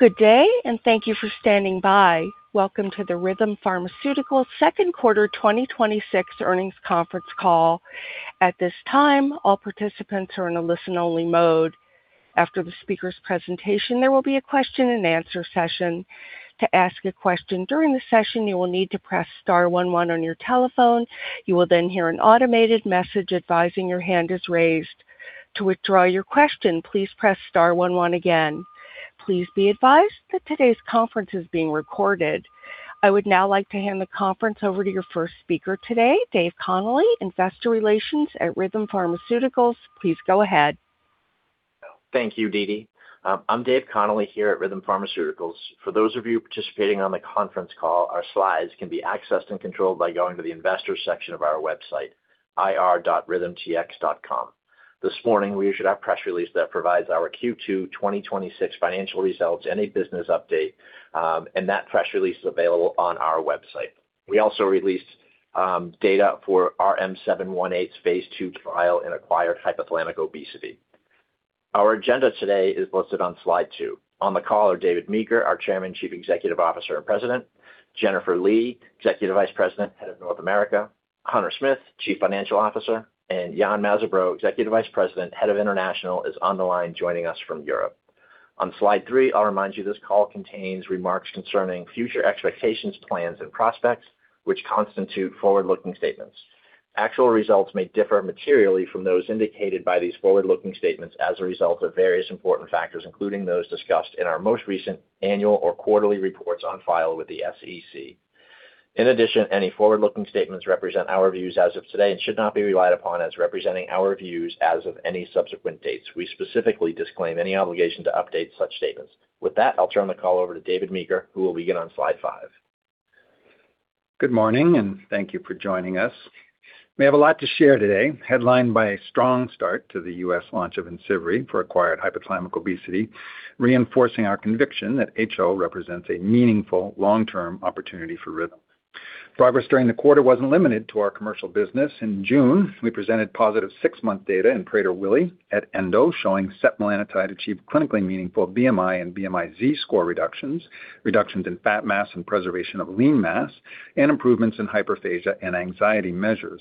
Good day, and thank you for standing by. Welcome to the Rhythm Pharmaceuticals second quarter 2026 earnings conference call. At this time, all participants are in a listen-only mode. After the speaker's presentation, there will be a question and answer session. To ask a question during the session, you will need to press star one one on your telephone. You will then hear an automated message advising your hand is raised. To withdraw your question, please press star one one again. Please be advised that today's conference is being recorded. I would now like to hand the conference over to your first speaker today, Dave Connolly, investor relations at Rhythm Pharmaceuticals. Please go ahead. Thank you, Deedee. I'm Dave Connolly here at Rhythm Pharmaceuticals. For those of you participating on the conference call, our slides can be accessed and controlled by going to the investors section of our website, ir.rhythmtx.com. This morning, we issued our press release that provides our Q2 2026 financial results and a business update. That press release is available on our website. We also released data for RM-718 phase II trial in acquired hypothalamic obesity. Our agenda today is listed on slide two. On the call are David Meeker, our chairman, chief executive officer, and president. Jennifer Lee, executive vice president, head of North America. Hunter Smith, chief financial officer, and Yann Mazerbeau, executive vice president, head of international, is on the line joining us from Europe. On slide three, I'll remind you this call contains remarks concerning future expectations, plans, and prospects, which constitute forward-looking statements. Actual results may differ materially from those indicated by these forward-looking statements as a result of various important factors, including those discussed in our most recent annual or quarterly reports on file with the SEC. In addition, any forward-looking statements represent our views as of today and should not be relied upon as representing our views as of any subsequent dates. We specifically disclaim any obligation to update such statements. With that, I'll turn the call over to David Meeker, who will begin on slide five. Good morning, and thank you for joining us. We have a lot to share today, headlined by a strong start to the U.S. launch of IMCIVREE for acquired hypothalamic obesity, reinforcing our conviction that HO represents a meaningful long-term opportunity for Rhythm. Progress during the quarter wasn't limited to our commercial business. In June, we presented positive six-month data in Prader-Willi at ENDO, showing setmelanotide achieved clinically meaningful BMI and BMI z-score reductions in fat mass and preservation of lean mass, and improvements in hyperphagia and anxiety measures.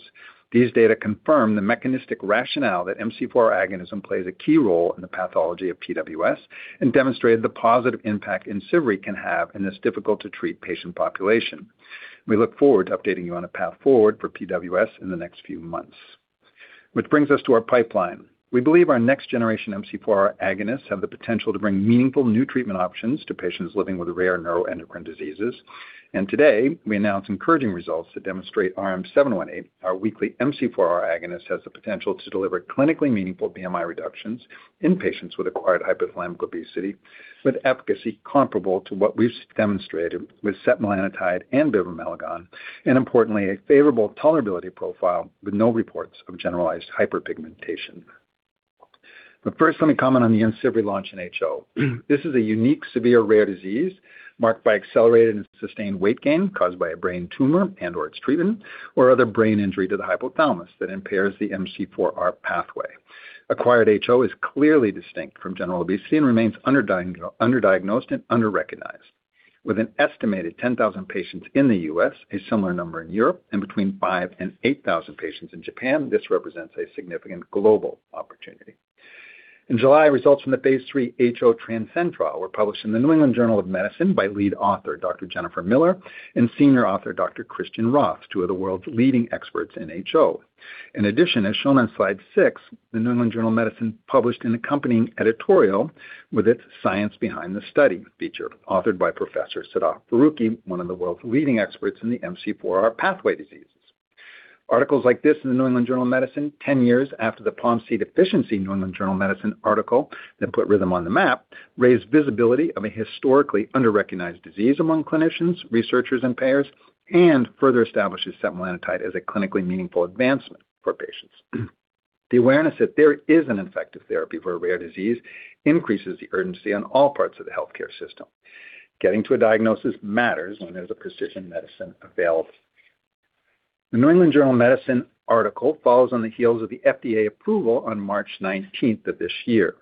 These data confirm the mechanistic rationale that MC4R agonism plays a key role in the pathology of PWS and demonstrated the positive impact IMCIVREE can have in this difficult-to-treat patient population. We look forward to updating you on a path forward for PWS in the next few months. Which brings us to our pipeline. We believe our next generation MC4R agonists have the potential to bring meaningful new treatment options to patients living with rare neuroendocrine diseases. Today, we announce encouraging results that demonstrate RM-718, our weekly MC4R agonist, has the potential to deliver clinically meaningful BMI reductions in patients with acquired hypothalamic obesity, with efficacy comparable to what we've demonstrated with setmelanotide and bivamelagon, importantly, a favorable tolerability profile with no reports of generalized hyperpigmentation. First, let me comment on the IMCIVREE launch in HO. This is a unique, severe, rare disease marked by accelerated and sustained weight gain caused by a brain tumor and/or its treatment or other brain injury to the hypothalamus that impairs the MC4R pathway. Acquired HO is clearly distinct from general obesity and remains underdiagnosed and underrecognized. With an estimated 10,000 patients in the U.S., a similar number in Europe, between 5,000-8,000 patients in Japan, this represents a significant global opportunity. In July, results from the phase III HO TRANSCEND trial were published in "The New England Journal of Medicine" by lead author Dr. Jennifer Miller and senior author Dr. Christian Roth, two of the world's leading experts in HO. In addition, as shown on slide six, "The New England Journal of Medicine" published an accompanying editorial with its Science Behind the Study feature, authored by Professor Sadaf Farooqi, one of the world's leading experts in the MC4R pathway diseases. Articles like this in "The New England Journal of Medicine," 10 years after the POMC deficiency "New England Journal of Medicine" article that put Rhythm on the map, raised visibility of a historically underrecognized disease among clinicians, researchers, and payers, further establishes setmelanotide as a clinically meaningful advancement for patients. The awareness that there is an effective therapy for a rare disease increases the urgency on all parts of the healthcare system. Getting to a diagnosis matters when there's a precision medicine available. "The New England Journal of Medicine" article follows on the heels of the FDA approval on March 19th of this year.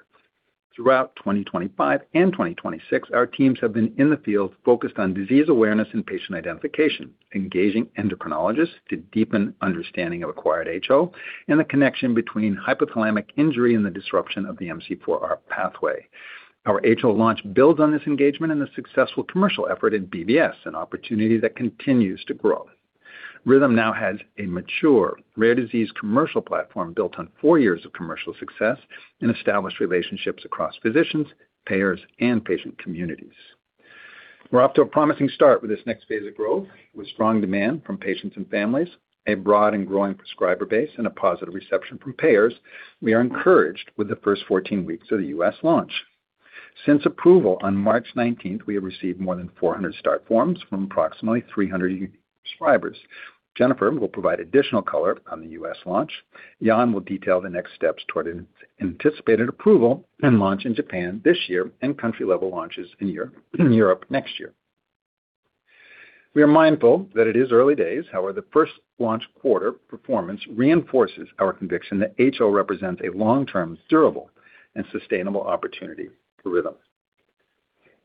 Throughout 2025 and 2026 our teams have been in the field focused on disease awareness and patient identification, engaging endocrinologists to deepen understanding of acquired HO and the connection between hypothalamic injury and the disruption of the MC4R pathway. Our HO launch builds on this engagement and the successful commercial effort in BBS, an opportunity that continues to grow. Rhythm now has a mature rare disease commercial platform built on four years of commercial success and established relationships across physicians, payers, and patient communities. We're off to a promising start with this next phase of growth. With strong demand from patients and families, a broad and growing prescriber base, a positive reception from payers, we are encouraged with the first 14 weeks of the U.S. launch. Since approval on March 19th, we have received more than 400 start forms from approximately 300 unique prescribers. Jennifer will provide additional color on the U.S. launch. Yann will detail the next steps toward anticipated approval and launch in Japan this year and country-level launches in Europe next year. We are mindful that it is early days. The first launch quarter performance reinforces our conviction that HO represents a long-term, durable, and sustainable opportunity for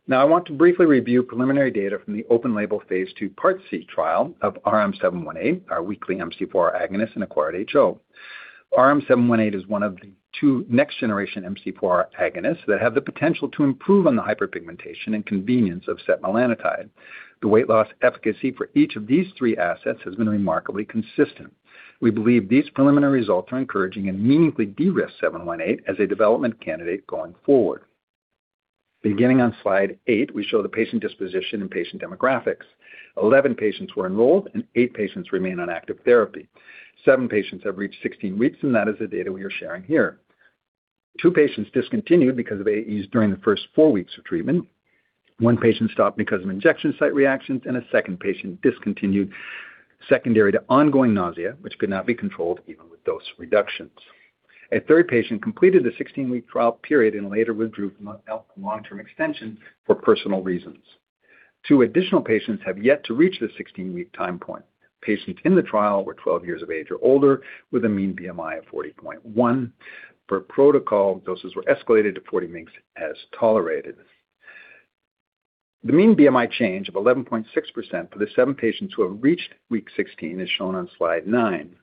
Rhythm. I want to briefly review preliminary data from the open label phase II Part C trial of RM-718, our weekly MC4R agonist in acquired HO. RM-718 is one of the two next generation MC4R agonists that have the potential to improve on the hyperpigmentation and convenience of setmelanotide. The weight loss efficacy for each of these three assets has been remarkably consistent. We believe these preliminary results are encouraging and meaningfully de-risk 718 as a development candidate going forward. Beginning on slide eight, we show the patient disposition and patient demographics. 11 patients were enrolled, and eight patients remain on active therapy. Seven patients have reached 16 weeks, and that is the data we are sharing here. Two patients discontinued because of AEs during the first four weeks of treatment. One patient stopped because of injection site reactions, and a second patient discontinued secondary to ongoing nausea, which could not be controlled even with dose reductions. A third patient completed the 16-week trial period and later withdrew from long-term extension for personal reasons. Two additional patients have yet to reach the 16-week time point. Patients in the trial were 12 years of age or older, with a mean BMI of 40.1. Per protocol, doses were escalated to 40 mgs as tolerated. The mean BMI change of 11.6% for the seven patients who have reached week 16 is shown on slide nine.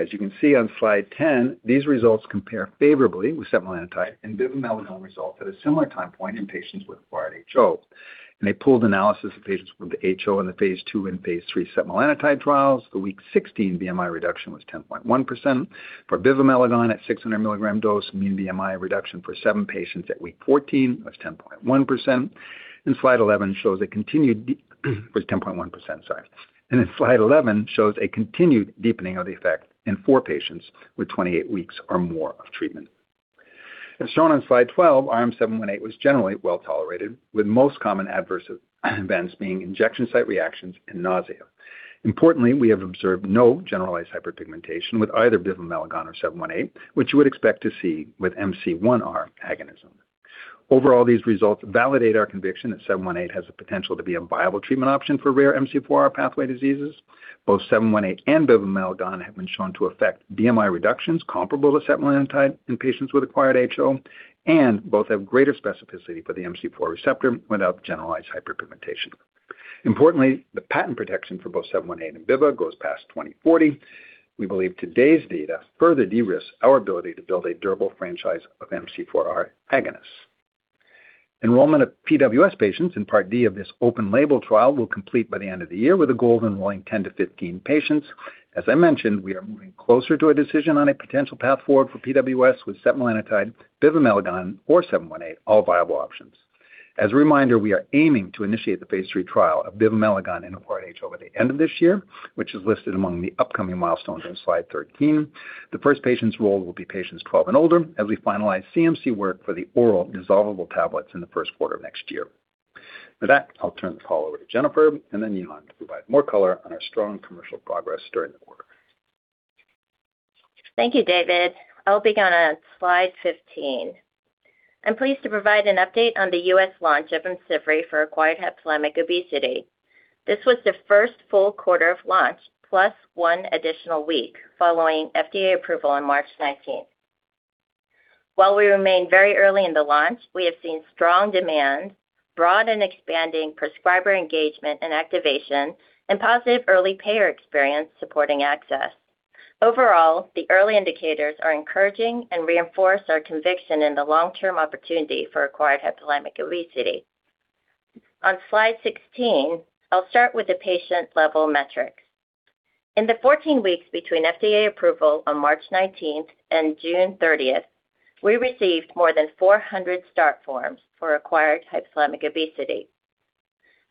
As you can see on slide 10, these results compare favorably with setmelanotide and bivamelagon results at a similar time point in patients with acquired HO. In a pooled analysis of patients with HO in the phase II and phase III setmelanotide trials, the week 16 BMI reduction was 10.1%. For bivamelagon at 600 mg dose, mean BMI reduction for seven patients at week 14 was 10.1%. Slide 11 shows a continued deepening of the effect in four patients with 28 weeks or more of treatment. As shown on slide 12, RM-718 was generally well-tolerated, with most common adverse events being injection site reactions and nausea. Importantly, we have observed no generalized hyperpigmentation with either bivamelagon or 718, which you would expect to see with MC1R agonism. Overall, these results validate our conviction that 718 has the potential to be a viable treatment option for rare MC4R pathway diseases. Both 718 and bivamelagon have been shown to affect BMI reductions comparable to setmelanotide in patients with acquired HO, and both have greater specificity for the MC4R receptor without generalized hyperpigmentation. Importantly, the patent protection for both 718 and biva goes past 2040. We believe today's data further de-risks our ability to build a durable franchise of MC4R agonists. Enrollment of PWS patients in Part D of this open label trial will complete by the end of the year with a goal of enrolling 10-15 patients. As I mentioned, we are moving closer to a decision on a potential path forward for PWS with setmelanotide, bivamelagon, or 718, all viable options. As a reminder, we are aiming to initiate the phase III trial of bivamelagon in acquired HO by the end of this year, which is listed among the upcoming milestones on slide 13. The first patients enrolled will be patients 12 and older as we finalize CMC work for the oral dissolvable tablets in the first quarter of next year. With that, I'll turn the call over to Jennifer and then Yann to provide more color on our strong commercial progress during the quarter. Thank you, David. I'll begin on slide 15. I'm pleased to provide an update on the U.S. launch of IMCIVREE for acquired hypothalamic obesity. This was the first full quarter of launch, plus one additional week following FDA approval on March 19th. While we remain very early in the launch, we have seen strong demand, broad and expanding prescriber engagement and activation, and positive early payer experience supporting access. Overall, the early indicators are encouraging and reinforce our conviction in the long-term opportunity for acquired hypothalamic obesity. On slide 16, I'll start with the patient-level metrics. In the 14 weeks between FDA approval on March 19th and June 30th, we received more than 400 start forms for acquired hypothalamic obesity.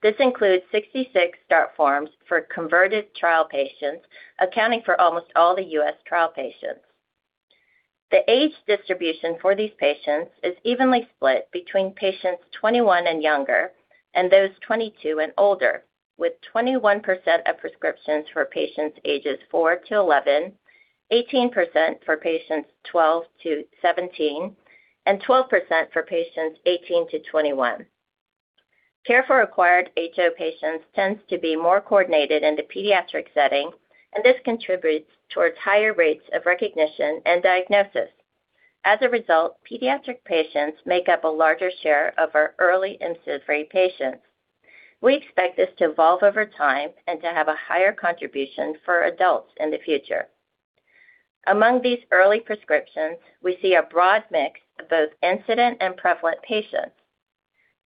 This includes 66 start forms for converted trial patients, accounting for almost all the U.S. trial patients. The age distribution for these patients is evenly split between patients 21 and younger and those 22 and older, with 21% of prescriptions for patients ages four to 11, 18% for patients 12-17, and 12% for patients 18-21. Care for acquired HO patients tends to be more coordinated in the pediatric setting, and this contributes towards higher rates of recognition and diagnosis. As a result, pediatric patients make up a larger share of our early IMCIVREE patients. We expect this to evolve over time and to have a higher contribution for adults in the future. Among these early prescriptions, we see a broad mix of both incident and prevalent patients.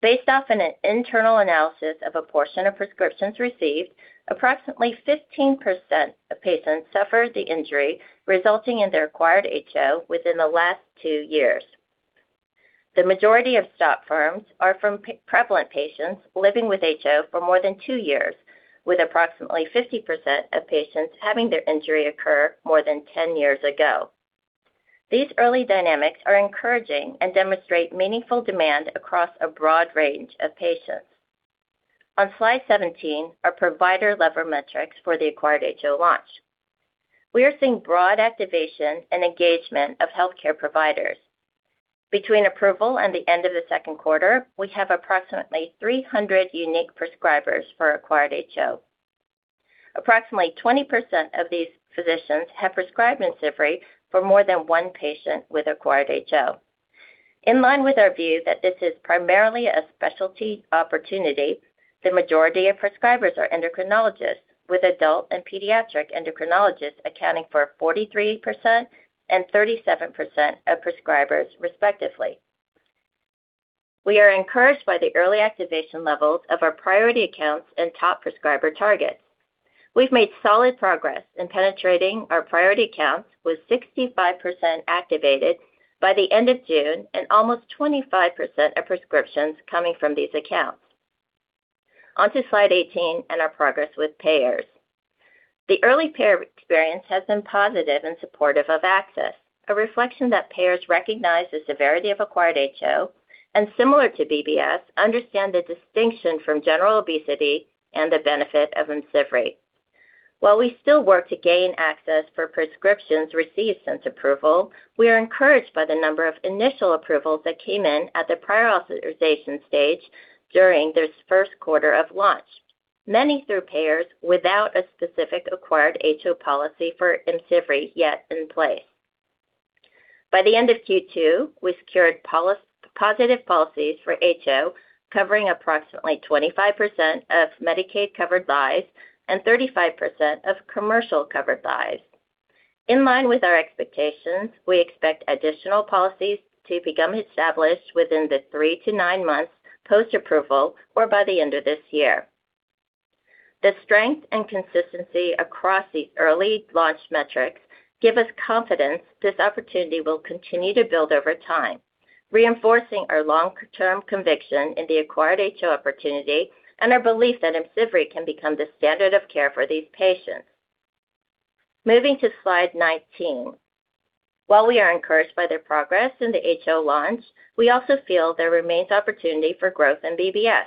Based off an internal analysis of a portion of prescriptions received, approximately 15% of patients suffered the injury resulting in their acquired HO within the last two years. The majority of start forms are from prevalent patients living with HO for more than two years, with approximately 50% of patients having their injury occur more than 10 years ago. These early dynamics are encouraging and demonstrate meaningful demand across a broad range of patients. On slide 17 are provider-level metrics for the acquired HO launch. We are seeing broad activation and engagement of healthcare providers. Between approval and the end of the second quarter, we have approximately 300 unique prescribers for acquired HO. Approximately 20% of these physicians have prescribed IMCIVREE for more than one patient with acquired HO. In line with our view that this is primarily a specialty opportunity, the majority of prescribers are endocrinologists, with adult and pediatric endocrinologists accounting for 43% and 37% of prescribers respectively. We are encouraged by the early activation levels of our priority accounts and top prescriber targets. We've made solid progress in penetrating our priority accounts, with 65% activated by the end of June and almost 25% of prescriptions coming from these accounts. Onto slide 18 and our progress with payers. The early payer experience has been positive and supportive of access, a reflection that payers recognize the severity of acquired HO, and similar to BBS, understand the distinction from general obesity and the benefit of IMCIVREE. While we still work to gain access for prescriptions received since approval, we are encouraged by the number of initial approvals that came in at the prior authorization stage during this first quarter of launch. Many through payers without a specific acquired HO policy for IMCIVREE yet in place. By the end of Q2, we secured positive policies for HO, covering approximately 25% of Medicaid-covered lives and 35% of commercial covered lives. In line with our expectations, we expect additional policies to become established within the three to nine months post-approval or by the end of this year. The strength and consistency across these early launch metrics give us confidence this opportunity will continue to build over time, reinforcing our long-term conviction in the acquired HO opportunity and our belief that IMCIVREE can become the standard of care for these patients. Moving to slide 19. While we are encouraged by their progress in the HO launch, we also feel there remains opportunity for growth in BBS.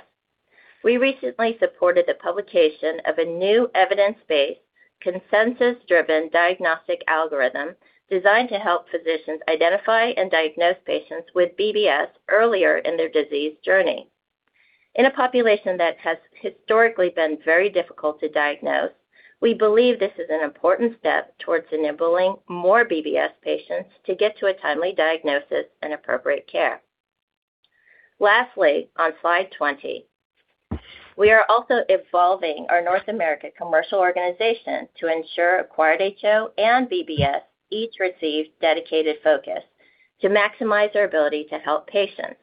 We recently supported the publication of a new evidence-based, consensus-driven diagnostic algorithm designed to help physicians identify and diagnose patients with BBS earlier in their disease journey. In a population that has historically been very difficult to diagnose, we believe this is an important step towards enabling more BBS patients to get to a timely diagnosis and appropriate care. Lastly, on slide 20. We are also evolving our North American commercial organization to ensure acquired HO and BBS each receive dedicated focus to maximize our ability to help patients.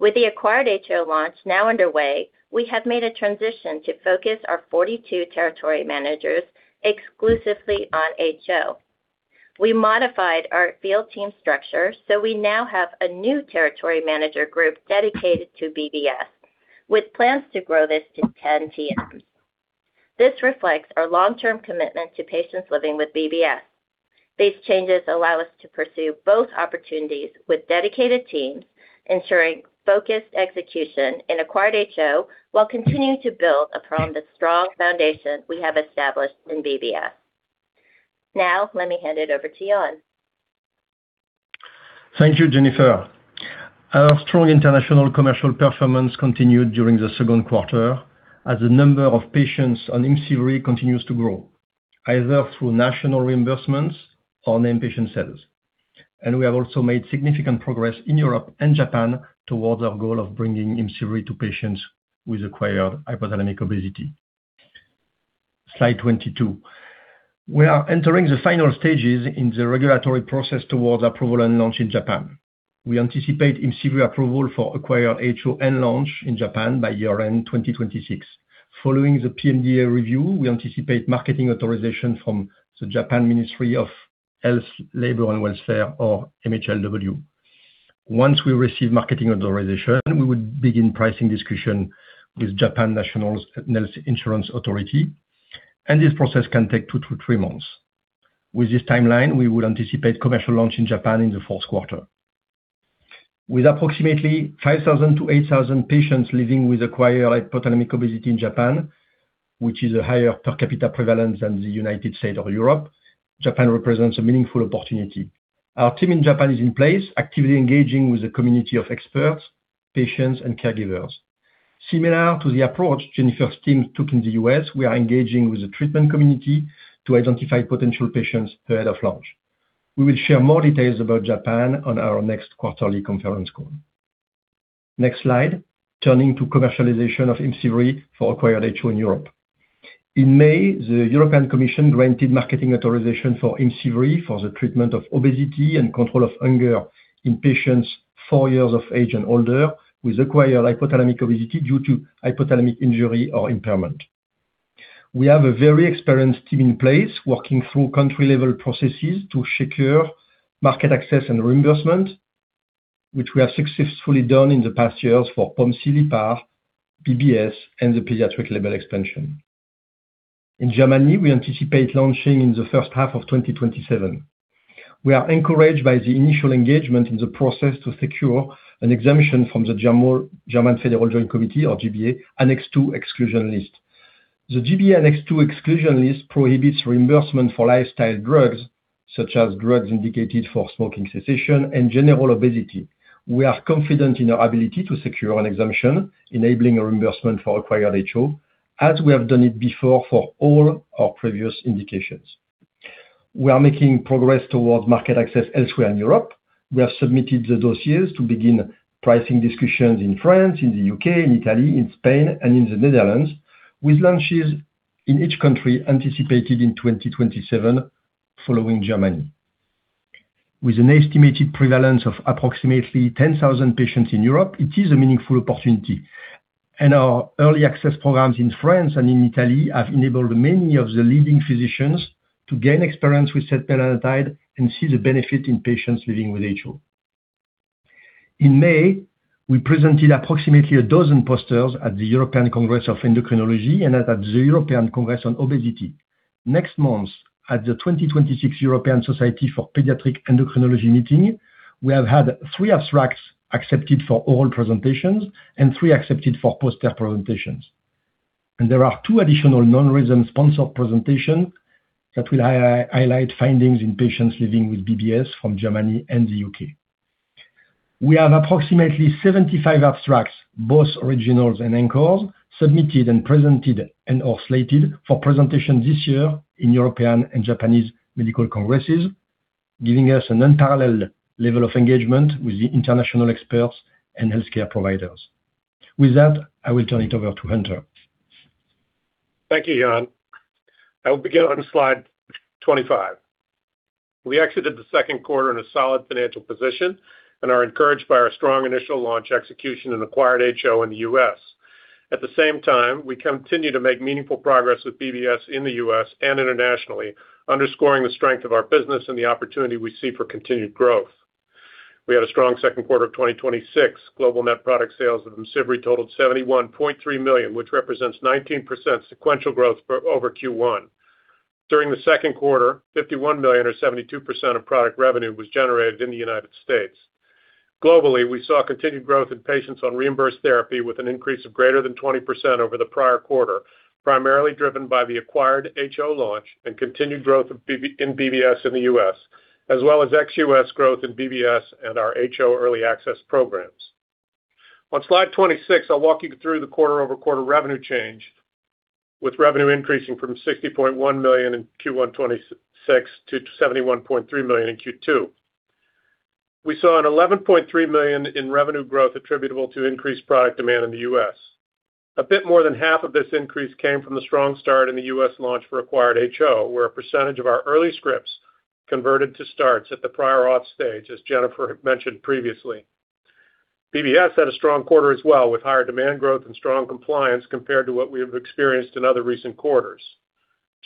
With the acquired HO launch now underway, we have made a transition to focus our 42 territory managers exclusively on HO. We modified our field team structure, so we now have a new territory manager group dedicated to BBS, with plans to grow this to 10 TMs. This reflects our long-term commitment to patients living with BBS. These changes allow us to pursue both opportunities with dedicated teams, ensuring focused execution in acquired HO while continuing to build upon the strong foundation we have established in BBS. Let me hand it over to Yann. Thank you, Jennifer. Our strong international commercial performance continued during the second quarter as the number of patients on IMCIVREE continues to grow, either through national reimbursements or name patient sales. We have also made significant progress in Europe and Japan towards our goal of bringing IMCIVREE to patients with acquired hypothalamic obesity. Slide 22. We are entering the final stages in the regulatory process towards approval and launch in Japan. We anticipate IMCIVREE approval for acquired HO and launch in Japan by year-end 2026. Following the PMDA review, we anticipate marketing authorization from the Japan Ministry of Health, Labour, and Welfare, or MHLW. Once we receive marketing authorization, we would begin pricing discussion with Japan National Health Insurance Authority, and this process can take two to three months. With this timeline, we would anticipate commercial launch in Japan in the fourth quarter. With approximately 5,000-8,000 patients living with acquired hypothalamic obesity in Japan, which is a higher per capita prevalence than the U.S. or Europe, Japan represents a meaningful opportunity. Our team in Japan is in place, actively engaging with a community of experts, patients, and caregivers. Similar to the approach Jennifer's team took in the U.S., we are engaging with the treatment community to identify potential patients ahead of launch. We will share more details about Japan on our next quarterly conference call. Next slide. Turning to commercialization of IMCIVREE for acquired HO in Europe. In May, the European Commission granted marketing authorization for IMCIVREE for the treatment of obesity and control of hunger in patients four years of age and older with acquired hypothalamic obesity due to hypothalamic injury or impairment. We have a very experienced team in place working through country-level processes to secure market access and reimbursement, which we have successfully done in the past years for POMC-LEPR, BBS, and the pediatric label expansion. In Germany, we anticipate launching in the first half of 2027. We are encouraged by the initial engagement in the process to secure an exemption from the German Federal Joint Committee, or G-BA, Annex II exclusion list. The G-BA Annex II exclusion list prohibits reimbursement for lifestyle drugs, such as drugs indicated for smoking cessation and general obesity. We are confident in our ability to secure an exemption enabling a reimbursement for acquired HO, as we have done it before for all our previous indications. We are making progress towards market access elsewhere in Europe. We have submitted the dossiers to begin pricing discussions in France, in the U.K., in Italy, in Spain, and in the Netherlands, with launches in each country anticipated in 2027, following Germany. With an estimated prevalence of approximately 10,000 patients in Europe, it is a meaningful opportunity. Our early access programs in France and in Italy have enabled many of the leading physicians to gain experience with setmelanotide and see the benefit in patients living with HO. In May, we presented approximately a dozen posters at the European Congress of Endocrinology and at the European Congress on Obesity. Next month at the 2026 European Society for Paediatric Endocrinology meeting, we have had three abstracts accepted for oral presentations and three accepted for poster presentations. There are two additional non-Rhythm sponsored presentation that will highlight findings in patients living with BBS from Germany and the U.K. We have approximately 75 abstracts, both originals and anchors, submitted and presented and/or slated for presentation this year in European and Japanese medical congresses, giving us an unparalleled level of engagement with the international experts and healthcare providers. With that, I will turn it over to Hunter. Thank you, Yann. I will begin on slide 25. We exited the second quarter in a solid financial position and are encouraged by our strong initial launch execution in acquired HO in the U.S. At the same time, we continue to make meaningful progress with BBS in the U.S. and internationally, underscoring the strength of our business and the opportunity we see for continued growth. We had a strong second quarter of 2026. Global net product sales of IMCIVREE totaled $71.3 million, which represents 19% sequential growth over Q1. During the second quarter, $51 million or 72% of product revenue was generated in the United States. Globally, we saw continued growth in patients on reimbursed therapy with an increase of greater than 20% over the prior quarter, primarily driven by the acquired HO launch and continued growth in BBS in the U.S., as well as ex-U.S. growth in BBS and our HO early access programs. On slide 26, I'll walk you through the quarter-over-quarter revenue change, with revenue increasing from $60.1 million in Q1 2026 to $71.3 million in Q2. We saw an $11.3 million in revenue growth attributable to increased product demand in the U.S. A bit more than half of this increase came from the strong start in the U.S. launch for acquired HO, where a percentage of our early scripts converted to starts at the prior auth stage, as Jennifer mentioned previously. BBS had a strong quarter as well, with higher demand growth and strong compliance compared to what we have experienced in other recent quarters.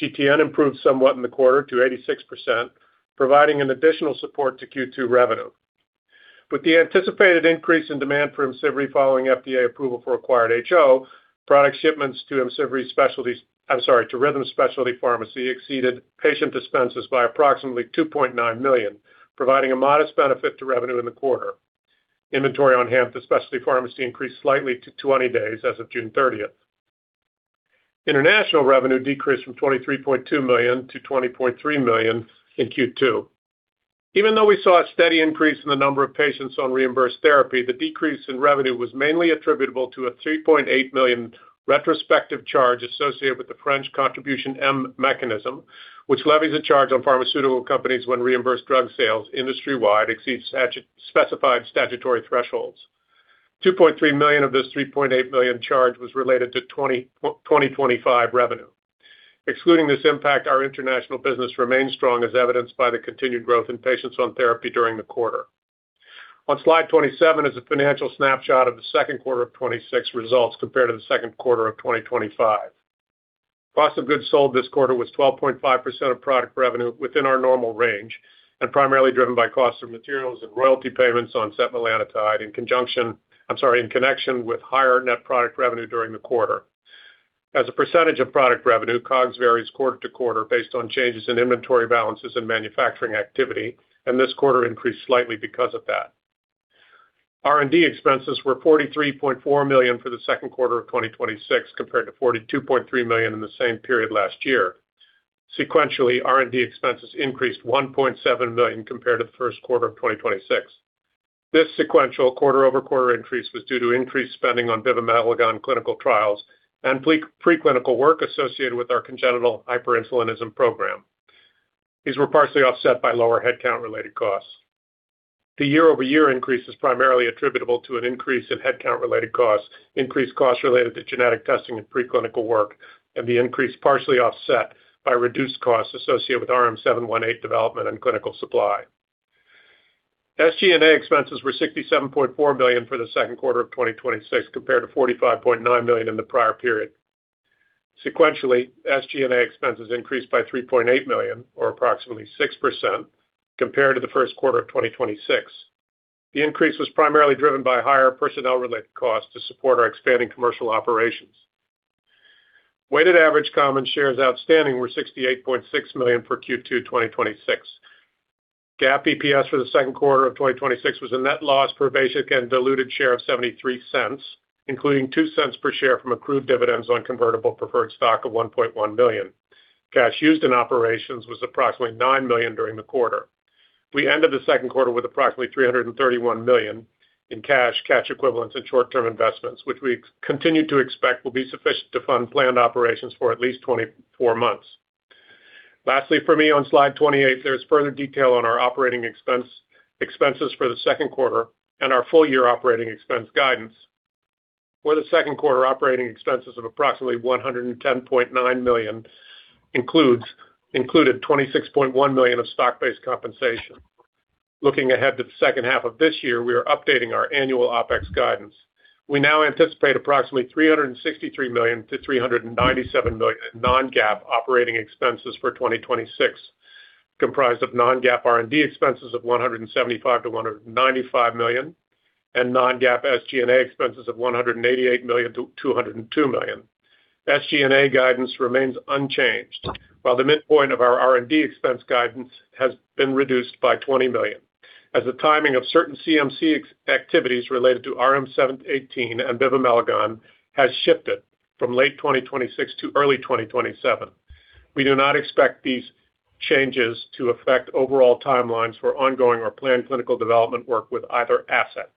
GTN improved somewhat in the quarter to 86%, providing an additional support to Q2 revenue. With the anticipated increase in demand for IMCIVREE following FDA approval for acquired HO, product shipments to Rhythm Specialty Pharmacy exceeded patient dispenses by approximately $2.9 million, providing a modest benefit to revenue in the quarter. Inventory on hand for specialty pharmacy increased slightly to 20 days as of June 30th. International revenue decreased from $23.2 million to $20.3 million in Q2. Even though we saw a steady increase in the number of patients on reimbursed therapy, the decrease in revenue was mainly attributable to a $3.8 million retrospective charge associated with the French Contribution M mechanism, which levies a charge on pharmaceutical companies when reimbursed drug sales industry-wide exceeds specified statutory thresholds. $2.3 million of this $3.8 million charge was related to 2025 revenue. Excluding this impact, our international business remained strong, as evidenced by the continued growth in patients on therapy during the quarter. On slide 27 is a financial snapshot of the second quarter of 2026 results compared to the second quarter of 2025. Cost of goods sold this quarter was 12.5% of product revenue within our normal range, in connection with higher net product revenue during the quarter. As a percentage of product revenue, COGS varies quarter-to-quarter based on changes in inventory balances and manufacturing activity, and this quarter increased slightly because of that. R&D expenses were $43.4 million for the second quarter of 2026, compared to $42.3 million in the same period last year. Sequentially, R&D expenses increased $1.7 million compared to the first quarter of 2026. This sequential quarter-over-quarter increase was due to increased spending on bivamelagon clinical trials and preclinical work associated with our congenital hyperinsulinism program. These were partially offset by lower headcount-related costs. The year-over-year increase is primarily attributable to an increase in headcount-related costs, increased costs related to genetic testing and preclinical work, and the increase partially offset by reduced costs associated with RM-718 development and clinical supply. SG&A expenses were $67.4 million for the second quarter of 2026, compared to $45.9 million in the prior period. Sequentially, SG&A expenses increased by $3.8 million, or approximately 6%, compared to the first quarter of 2026. The increase was primarily driven by higher personnel-related costs to support our expanding commercial operations. Weighted average common shares outstanding were 68.6 million for Q2 2026. GAAP EPS for the second quarter of 2026 was a net loss per basic and diluted share of $0.73, including $0.02 per share from accrued dividends on convertible preferred stock of $1.1 million. Cash used in operations was approximately $9 million during the quarter. We ended the second quarter with approximately $331 million in cash equivalents, and short-term investments, which we continue to expect will be sufficient to fund planned operations for at least 24 months. Lastly, for me, on slide 28, there is further detail on our operating expenses for the second quarter and our full-year operating expense guidance, where the second quarter operating expenses of approximately $110.9 million included $26.1 million of stock-based compensation. Looking ahead to the second half of this year, we are updating our annual OpEx guidance. We now anticipate approximately $363 million-$397 million in non-GAAP operating expenses for 2026, comprised of non-GAAP R&D expenses of $175 million-$195 million and non-GAAP SG&A expenses of $188 million-$202 million. SG&A guidance remains unchanged, while the midpoint of our R&D expense guidance has been reduced by $20 million, as the timing of certain CMC activities related to RM-718 and bivamelagon has shifted from late 2026 to early 2027. We do not expect these changes to affect overall timelines for ongoing or planned clinical development work with either asset.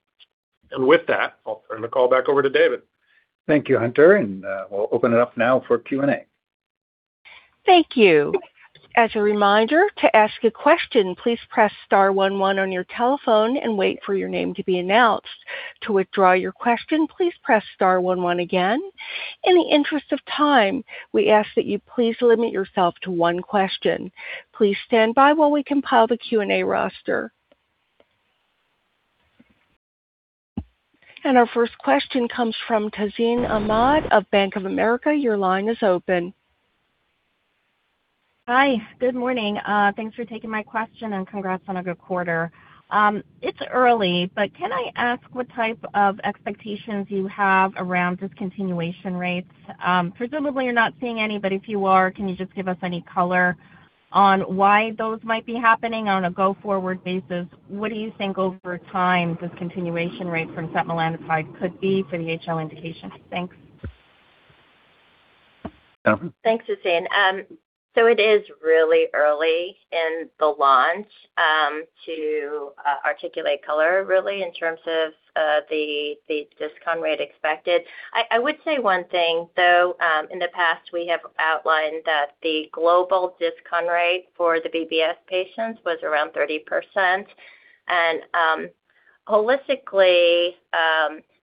With that, I'll turn the call back over to David. Thank you, Hunter, and we'll open it up now for Q&A. Thank you. As a reminder, to ask a question, please press star one one on your telephone and wait for your name to be announced. To withdraw your question, please press star one one again. In the interest of time, we ask that you please limit yourself to one question. Please stand by while we compile the Q&A roster. Our first question comes from Tazeen Ahmad of Bank of America. Your line is open. Hi. Good morning. Thanks for taking my question, and congrats on a good quarter. It's early, but can I ask what type of expectations you have around discontinuation rates? Presumably, you're not seeing any, but if you are, can you just give us any color on why those might be happening on a go-forward basis? What do you think over time discontinuation rate from setmelanotide could be for the HO indication? Thanks. Jen? Thanks, Tazeen. It is really early in the launch to articulate color really in terms of the discon rate expected. I would say one thing, though. In the past, we have outlined that the global discon rate for the BBS patients was around 30%. Holistically,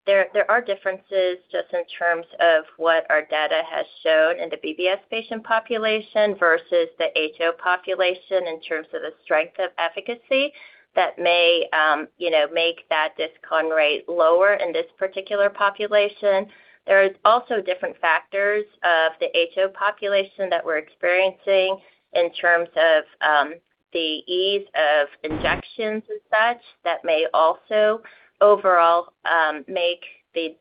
there are differences just in terms of what our data has shown in the BBS patient population versus the HO population in terms of the strength of efficacy that may make that discon rate lower in this particular population. There is also different factors of the HO population that we're experiencing in terms of the ease of injections and such that may also overall make the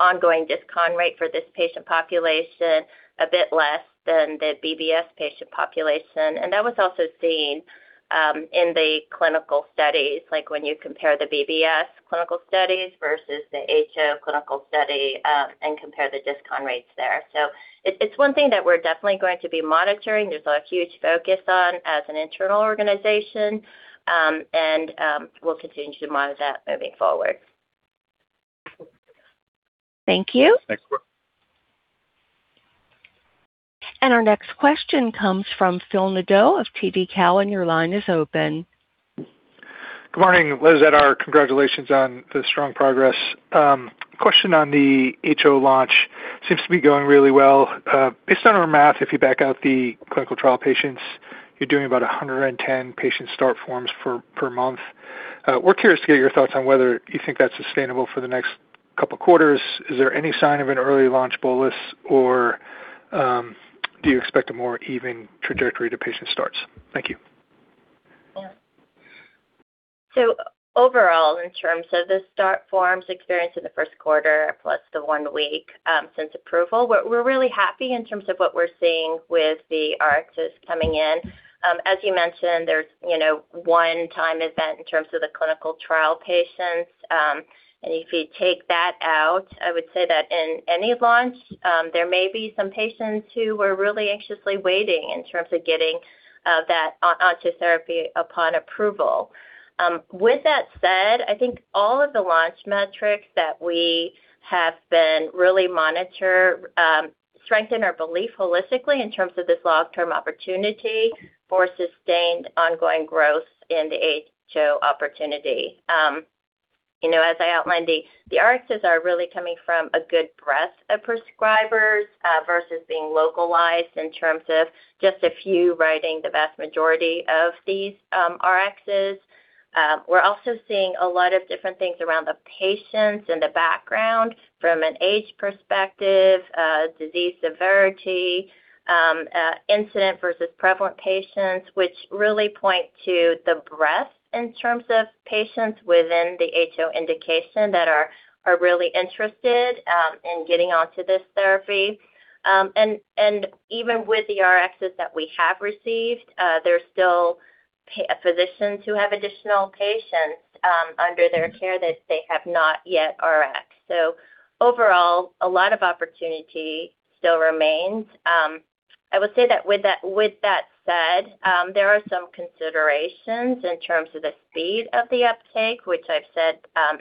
ongoing discon rate for this patient population a bit less than the BBS patient population. That was also seen in the clinical studies, like when you compare the BBS clinical studies versus the HO clinical study, and compare the discon rates there. It's one thing that we're definitely going to be monitoring. There's a huge focus on as an internal organization, and we'll continue to monitor that moving forward. Thank you. Thanks. Our next question comes from Phil Nadeau of TD Cowen. Your line is open. Good morning, pleasant quarter. Congratulations on the strong progress. Question on the HO launch. Seems to be going really well. Based on our math, if you back out the clinical trial patients, you're doing about 110 patient start forms per month. We're curious to get your thoughts on whether you think that's sustainable for the next couple of quarters. Is there any sign of an early launch bolus, or do you expect a more even trajectory to patient starts? Thank you. Overall, in terms of the start forms experienced in the first quarter plus the one week since approval, we're really happy in terms of what we're seeing with the Rx's coming in. As you mentioned, there's one time event in terms of the clinical trial patients. If you take that out, I would say that in any launch, there may be some patients who were really anxiously waiting in terms of getting onto therapy upon approval. With that said, I think all of the launch metrics that we have been really monitor strengthen our belief holistically in terms of this long-term opportunity for sustained ongoing growth in the HO opportunity. As I outlined, the Rx's are really coming from a good breadth of prescribers versus being localized in terms of just a few writing the vast majority of these Rx's. We're also seeing a lot of different things around the patients and the background from an age perspective, disease severity, incident versus prevalent patients, which really point to the breadth in terms of patients within the HO indication that are really interested in getting onto this therapy. Even with the RXs that we have received, there's still physicians who have additional patients under their care that they have not yet RX. Overall, a lot of opportunity still remains. I would say that with that said, there are some considerations in terms of the speed of the uptake, which I've said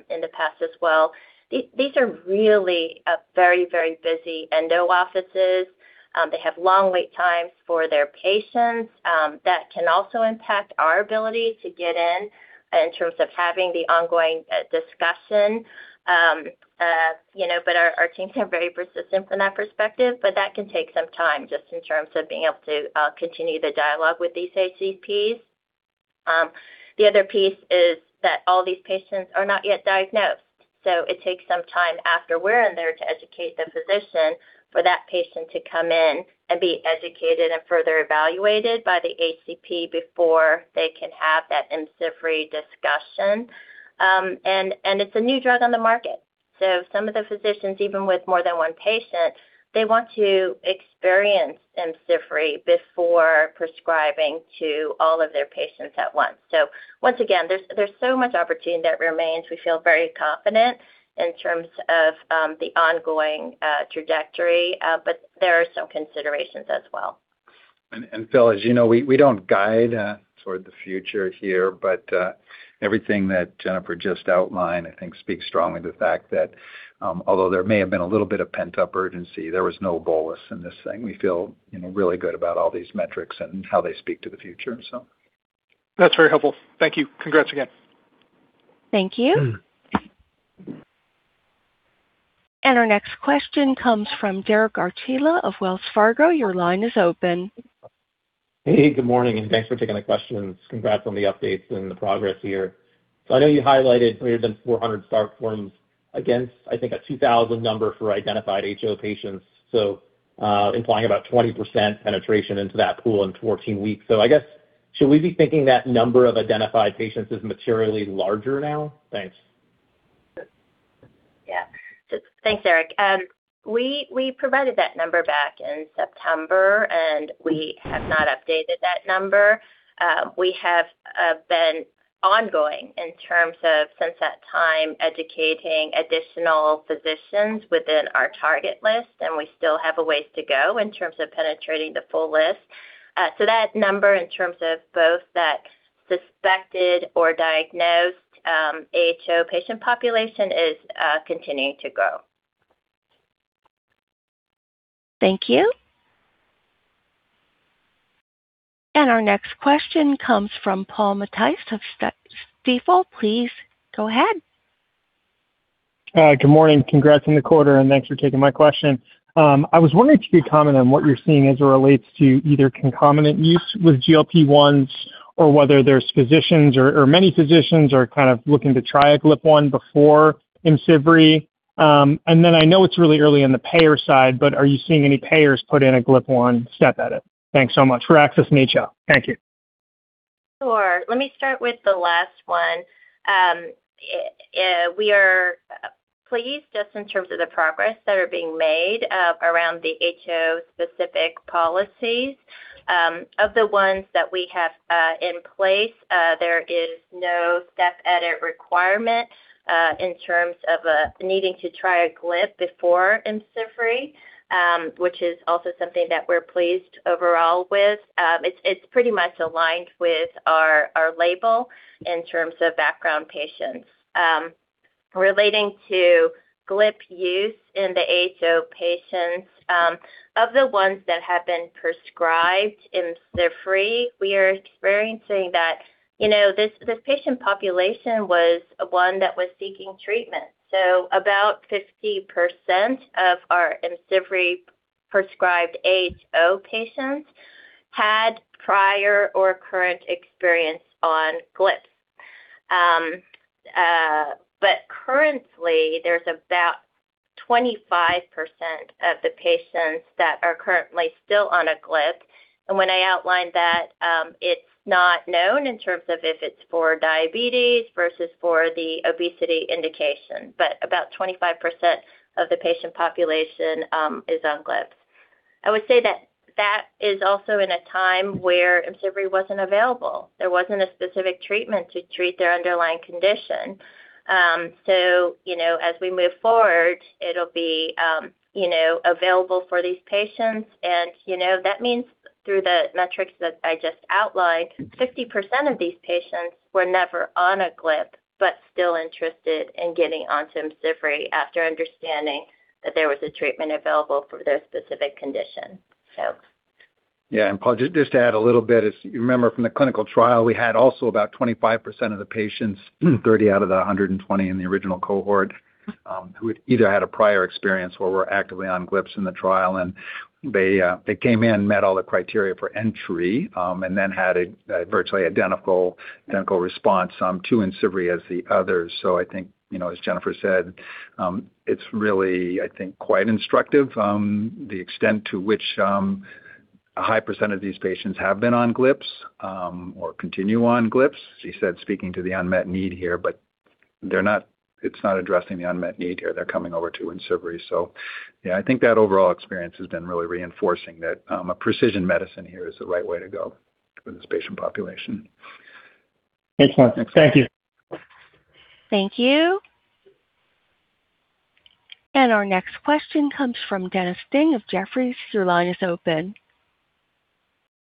in the past as well. These are really very, very busy endo offices. They have long wait times for their patients. That can also impact our ability to get in terms of having the ongoing discussion. Our teams are very persistent from that perspective, but that can take some time just in terms of being able to continue the dialogue with these ACPs. The other piece is that all these patients are not yet diagnosed, so it takes some time after we're in there to educate the physician for that patient to come in and be educated and further evaluated by the ACP before they can have that IMCIVREE discussion. It's a new drug on the market. Some of the physicians, even with more than one patient, they want to experience IMCIVREE before prescribing to all of their patients at once. Once again, there's so much opportunity that remains. We feel very confident in terms of the ongoing trajectory. There are some considerations as well. Phil, as you know, we don't guide toward the future here, but everything that Jennifer just outlined, I think, speaks strongly to the fact that, although there may have been a little bit of pent-up urgency, there was no bolus in this thing. We feel really good about all these metrics and how they speak to the future. That's very helpful. Thank you. Congrats again. Thank you. Our next question comes from Derek Archila of Wells Fargo. Your line is open. Hey, good morning, thanks for taking the questions. Congrats on the updates and the progress here. I know you highlighted greater than 400 start forms against, I think, a 2,000 number for identified HO patients, implying about 20% penetration into that pool in 14 weeks. I guess, should we be thinking that number of identified patients is materially larger now? Thanks. Yes. Thanks, Derek. We provided that number back in September, and we have not updated that number. We have been ongoing in terms of since that time, educating additional physicians within our target list, and we still have a ways to go in terms of penetrating the full list. That number in terms of both that suspected or diagnosed HO patient population is continuing to grow. Thank you. Our next question comes from Paul Matteis of Stifel. Please go ahead. Hi, good morning. Congrats on the quarter, and thanks for taking my question. I was wondering if you could comment on what you're seeing as it relates to either concomitant use with GLP-1s or whether there's physicians or many physicians are kind of looking to try a GLP-1 before IMCIVREE. I know it's really early on the payer side, but are you seeing any payers put in a GLP-1 step edit? Thanks so much. For Access Medsha. Thank you. Sure. Let me start with the last one. We are pleased just in terms of the progress that are being made around the HO specific policies. Of the ones that we have in place, there is no step edit requirement in terms of needing to try a GLP before IMCIVREE, which is also something that we're pleased overall with. It's pretty much aligned with our label in terms of background patients. Relating to GLP use in the HO patients, of the ones that have been prescribed IMCIVREE, we are experiencing that this patient population was one that was seeking treatment. About 50% of our IMCIVREE prescribed HO patients had prior or current experience on GLPs. Currently, there's about 25% of the patients that are currently still on a GLP. When I outlined that, it's not known in terms of if it's for diabetes versus for the obesity indication, but about 25% of the patient population is on GLPs. I would say that that is also in a time where IMCIVREE wasn't available. There wasn't a specific treatment to treat their underlying condition. As we move forward, it'll be available for these patients, and that means through the metrics that I just outlined, 50% of these patients were never on a GLP, but still interested in getting onto IMCIVREE after understanding that there was a treatment available for their specific condition. Yeah. Paul, just to add a little bit, as you remember from the clinical trial, we had also about 25% of the patients, 30 out of that 120 in the original cohort, who had either had a prior experience or were actively on GLPs in the trial, and they came in, met all the criteria for entry, and then had a virtually identical response to IMCIVREE as the others. I think, as Jennifer said, it's really quite instructive, the extent to which a high percent of these patients have been on GLPs or continue on GLPs. As you said, speaking to the unmet need here, but it's not addressing the unmet need here. They're coming over to IMCIVREE. Yeah, I think that overall experience has been really reinforcing that a precision medicine here is the right way to go for this patient population. Excellent. Thank you. Thank you. Our next question comes from Dennis Ding of Jefferies. Your line is open.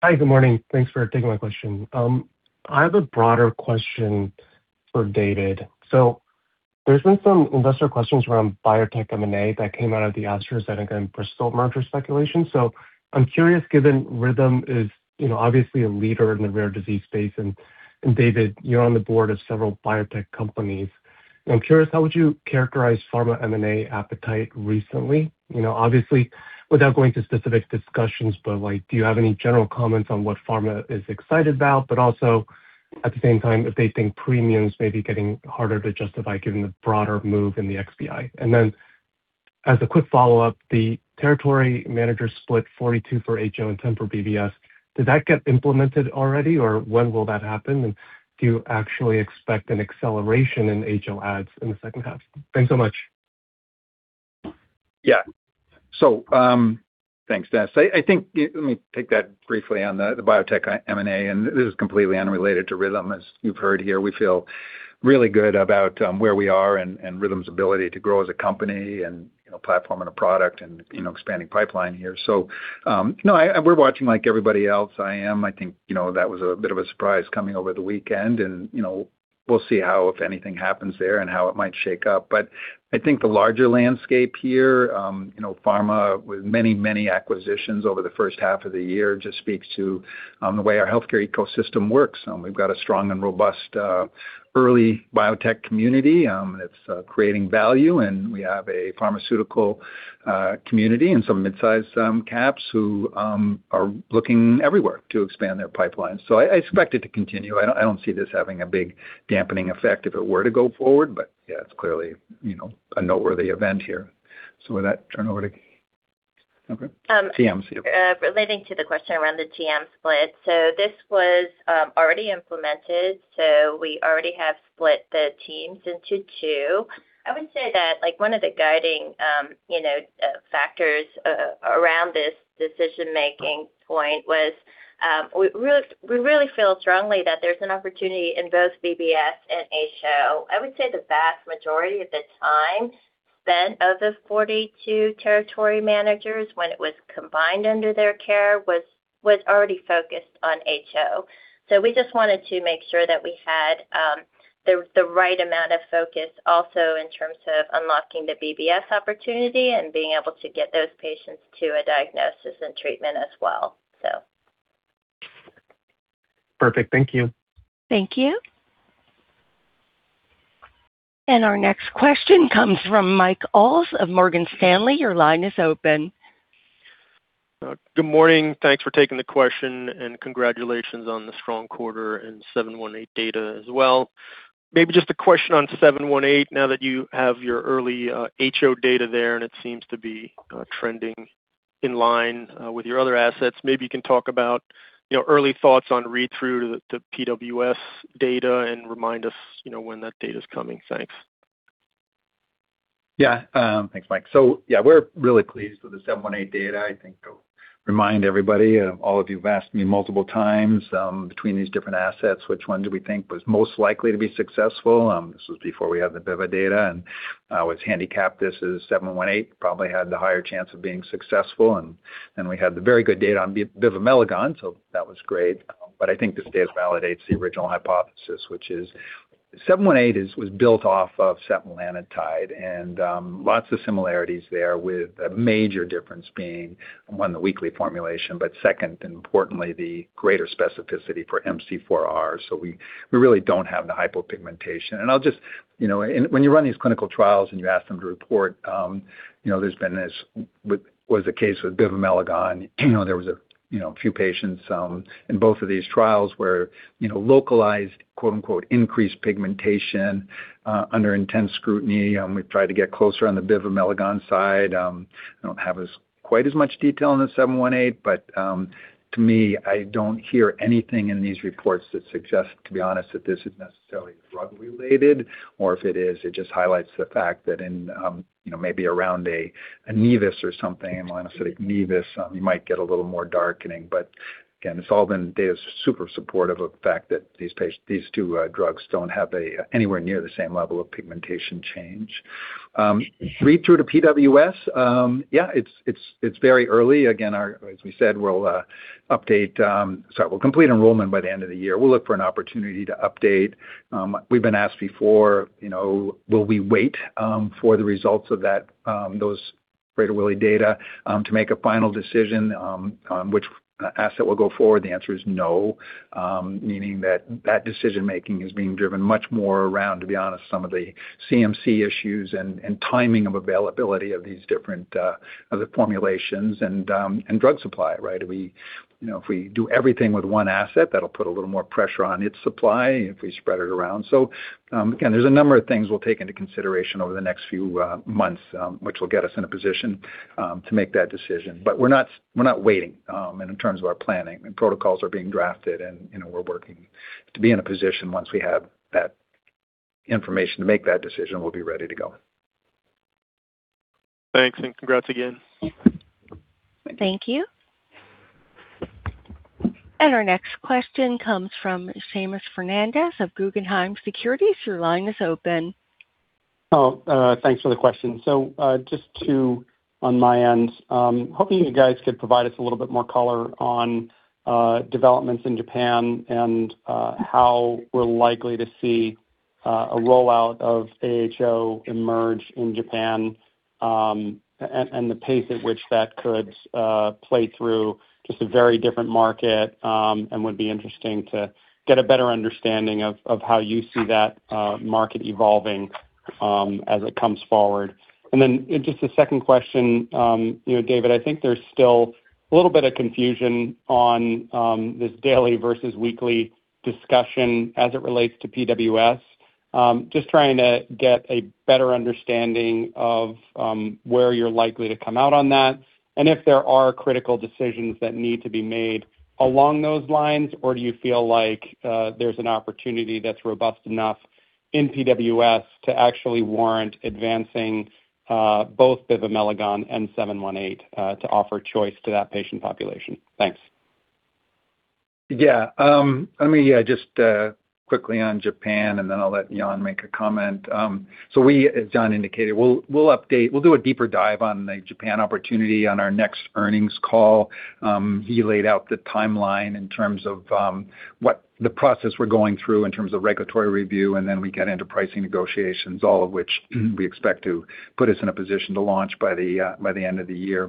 Hi. Good morning. Thanks for taking my question. I have a broader question for David. There's been some investor questions around biotech M&A that came out of the AstraZeneca and Bristol merger speculation. I'm curious, given Rhythm is obviously a leader in the rare disease space, and David, you're on the board of several biotech companies. I'm curious, how would you characterize pharma M&A appetite recently? Obviously, without going into specific discussions, do you have any general comments on what pharma is excited about? Also at the same time, if they think premiums may be getting harder to justify given the broader move in the XBI. As a quick follow-up, the territory manager split 42 for HO and 10 for BBS, did that get implemented already? Or when will that happen? Do you actually expect an acceleration in HO adds in the second half? Thanks so much. Yeah. Thanks, Dennis. Let me take that briefly on the biotech M&A, this is completely unrelated to Rhythm. As you've heard here, we feel really good about where we are and Rhythm's ability to grow as a company and a platform and a product and expanding pipeline here. No, we're watching like everybody else. I am. I think that was a bit of a surprise coming over the weekend and we'll see how, if anything happens there and how it might shake up. I think the larger landscape here, pharma with many, many acquisitions over the first half of the year just speaks to the way our healthcare ecosystem works. We've got a strong and robust early biotech community. It's creating value, we have a pharmaceutical community and some mid-size caps who are looking everywhere to expand their pipeline. I expect it to continue. I don't see this having a big dampening effect if it were to go forward. Yeah, it's clearly a noteworthy event here. With that, turn it over to you. TM split. Relating to the question around the TM split. This was already implemented. We already have split the teams into two. I would say that one of the guiding factors around this decision-making point was we really feel strongly that there's an opportunity in both BBS and HO. I would say the vast majority of the time spent of the 42 territory managers when it was combined under their care was already focused on HO. We just wanted to make sure that we had the right amount of focus also in terms of unlocking the BBS opportunity and being able to get those patients to a diagnosis and treatment as well. Perfect. Thank you. Thank you. Our next question comes from Mike Ulz of Morgan Stanley. Your line is open. Good morning. Thanks for taking the question and congratulations on the strong quarter and 718 data as well. Maybe just a question on 718 now that you have your early HO data there, and it seems to be trending in line with your other assets. Maybe you can talk about early thoughts on read-through to the PWS data and remind us when that data is coming. Thanks. Thanks, Mike. We're really pleased with the 718 data. I think to remind everybody, all of you have asked me multiple times between these different assets, which one do we think was most likely to be successful? This was before we had the bivamelagon data, I always handicapped this as 718 probably had the higher chance of being successful. We had the very good data on bivamelagon. That was great. I think this data validates the original hypothesis, which is 718 was built off of setmelanotide and lots of similarities there with a major difference being, one, the weekly formulation, but second and importantly, the greater specificity for MC4R. We really don't have the hypopigmentation. When you run these clinical trials and you ask them to report, there's been this, was the case with bivamelagon. There was a few patients in both of these trials where localized, quote-unquote, "increased pigmentation" under intense scrutiny. We've tried to get closer on the bivamelagon side. I don't have quite as much detail on the 718, to me, I don't hear anything in these reports that suggest, to be honest, that this is necessarily drug related, or if it is, it just highlights the fact that in maybe around a nevus or something, a melanocytic nevus, you might get a little more darkening. Again, it's all been data super supportive of the fact that these two drugs don't have anywhere near the same level of pigmentation change. Read through to PWS. It's very early. Again, as we said, we'll complete enrollment by the end of the year. We'll look for an opportunity to update. We've been asked before, will we wait for the results of those Prader-Willi data to make a final decision on which asset will go forward? The answer is no. Meaning that that decision-making is being driven much more around, to be honest, some of the CMC issues and timing of availability of these different other formulations and drug supply, right? If we do everything with one asset, that'll put a little more pressure on its supply if we spread it around. Again, there's a number of things we'll take into consideration over the next few months, which will get us in a position to make that decision. We're not waiting in terms of our planning. Protocols are being drafted, and we're working to be in a position once we have that information to make that decision, we'll be ready to go. Thanks, congrats again. Thank you. Our next question comes from Seamus Fernandez of Guggenheim Securities. Your line is open. Thanks for the question. Just two on my end. Hoping you guys could provide us a little bit more color on developments in Japan and how we're likely to see a rollout of HO emerge in Japan, and the pace at which that could play through. Just a very different market, and would be interesting to get a better understanding of how you see that market evolving as it comes forward. Just a second question. David, I think there's still a little bit of confusion on this daily versus weekly discussion as it relates to PWS. Trying to get a better understanding of where you're likely to come out on that, and if there are critical decisions that need to be made along those lines, or do you feel like there's an opportunity that's robust enough in PWS to actually warrant advancing both bivamelagon and seven one eight to offer choice to that patient population? Thanks. Let me just quickly on Japan, I'll let Yann make a comment. We, as Yann indicated, we'll do a deeper dive on the Japan opportunity on our next earnings call. He laid out the timeline in terms of what the process we're going through in terms of regulatory review, and then we get into pricing negotiations, all of which we expect to put us in a position to launch by the end of the year.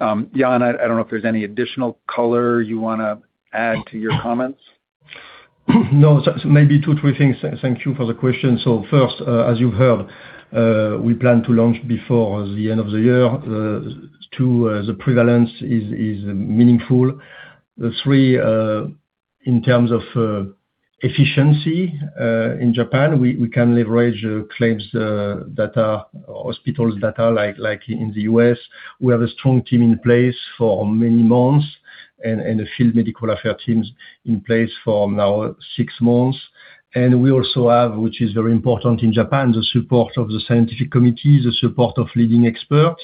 Yann, I don't know if there's any additional color you want to add to your comments. No. Maybe two, three things. Thank you for the question. First, as you heard, we plan to launch before the end of the year. Two, the prevalence is meaningful. Three, in terms of efficiency in Japan, we can leverage claims data, hospitals data like in the U.S. We have a strong team in place for many months and a field medical affairs teams in place for now six months. We also have, which is very important in Japan, the support of the scientific committee, the support of leading experts.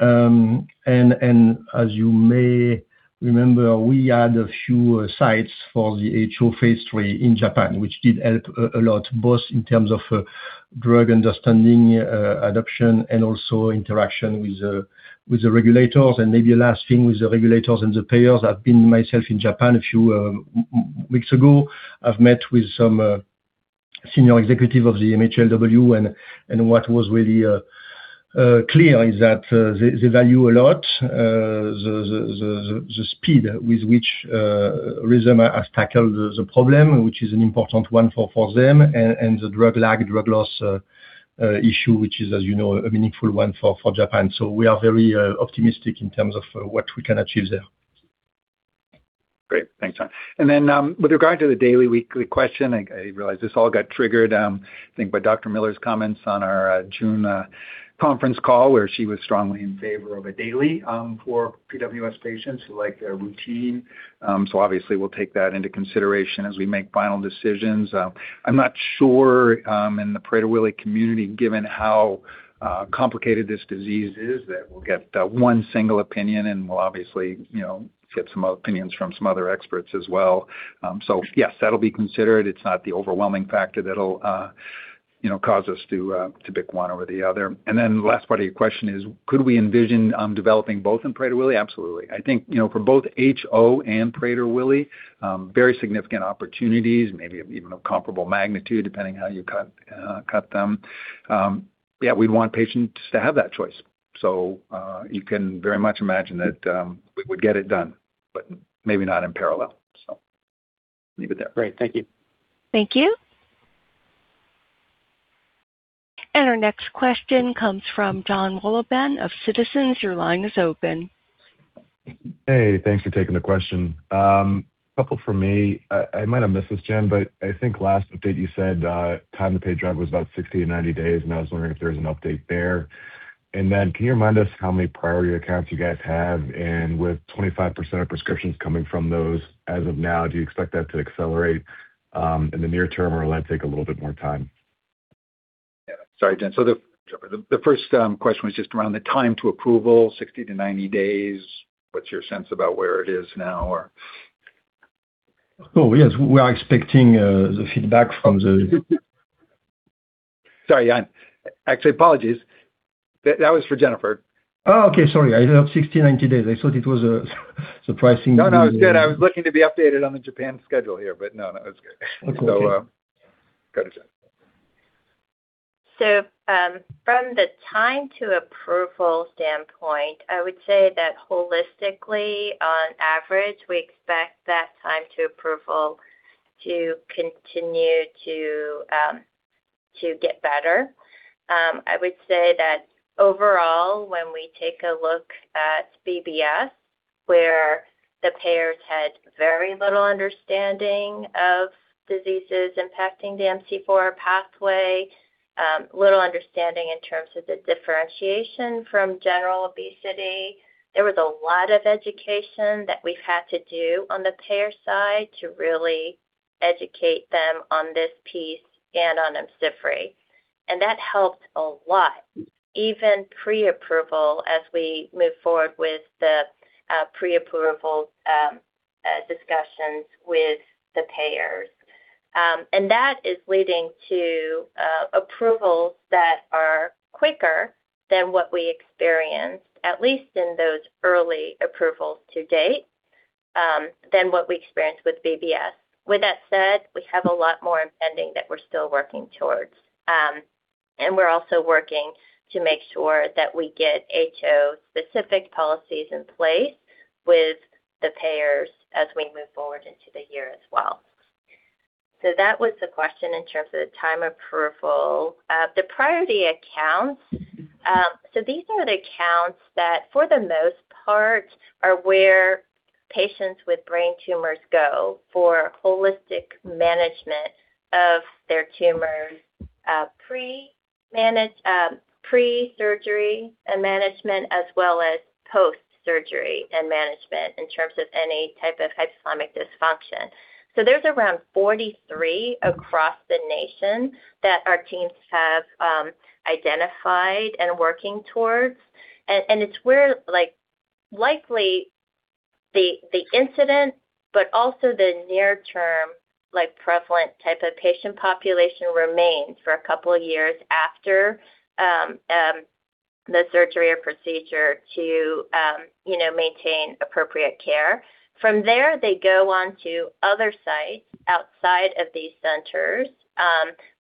As you may remember, we had a few sites for the HO phase III in Japan, which did help a lot, both in terms of drug understanding, adoption, and also interaction with the regulators. Maybe the last thing with the regulators and the payers, I've been myself in Japan a few weeks ago. I've met with some senior executive of the MHLW, and what was really clear is that they value a lot the speed with which Rhythm has tackled the problem, which is an important one for them, and the drug lag, drug loss issue, which is, as you know, a meaningful one for Japan. We are very optimistic in terms of what we can achieve there. Great. Thanks, Yann. With regard to the daily, weekly question, I realize this all got triggered, I think, by Dr. Miller's comments on our June conference call, where she was strongly in favor of a daily for PWS patients who like their routine. Obviously we'll take that into consideration as we make final decisions. I'm not sure in the Prader-Willi community, given how complicated this disease is, that we'll get one single opinion and we'll obviously get some opinions from some other experts as well. Yes, that'll be considered. It's not the overwhelming factor that'll cause us to pick one over the other. The last part of your question is, could we envision developing both in Prader-Willi? Absolutely. I think for both HO and Prader-Willi very significant opportunities, maybe even of comparable magnitude, depending how you cut them. Yeah, we'd want patients to have that choice. You can very much imagine that we would get it done, but maybe not in parallel. Leave it there. Great. Thank you. Thank you. Our next question comes from Jon Wolleben of Citizens. Your line is open. Hey, thanks for taking the question. A couple from me. I might have missed this, Jen, but I think last update you said time to paid drug was about 60-90 days, and I was wondering if there was an update there. Then can you remind us how many priority accounts you guys have? And with 25% of prescriptions coming from those as of now, do you expect that to accelerate in the near term or will that take a little bit more time? Yeah. Sorry, Jen. The first question was just around the time to approval, 60-90 days. What's your sense about where it is now or? Oh, yes. We are expecting the feedback from the- Sorry, Yann. Actually, apologies. That was for Jennifer. Oh, okay. Sorry. I heard 60, 90 days. I thought it was the pricing. No, it's good. I was looking to be updated on the Japan schedule here. No, that's good. Okay. Go to Jen. From the time to approval standpoint, I would say that holistically, on average, we expect that time to approval to continue to get better. I would say that overall, when we take a look at BBS, where the payers had very little understanding of diseases impacting the MC4 pathway, little understanding in terms of the differentiation from general obesity. There was a lot of education that we've had to do on the payer side to really educate them on this piece and on IMCIVREE. That helped a lot, even pre-approval as we move forward with the pre-approval discussions with the payers. That is leading to approvals that are quicker than what we experienced, at least in those early approvals to date, than what we experienced with BBS. With that said, we have a lot more impending that we're still working towards. We're also working to make sure that we get HO specific policies in place with the payers as we move forward into the year as well. That was the question in terms of the time of approval. The priority accounts. These are the accounts that for the most part, are where patients with brain tumors go for holistic management of their tumors, pre-surgery and management, as well as post-surgery and management in terms of any type of hypothalamic dysfunction. There's around 43 across the nation that our teams have identified and are working towards. It's where likely the incident, but also the near term, prevalent type of patient population remains for a couple of years after the surgery or procedure to maintain appropriate care. From there, they go on to other sites outside of these centers,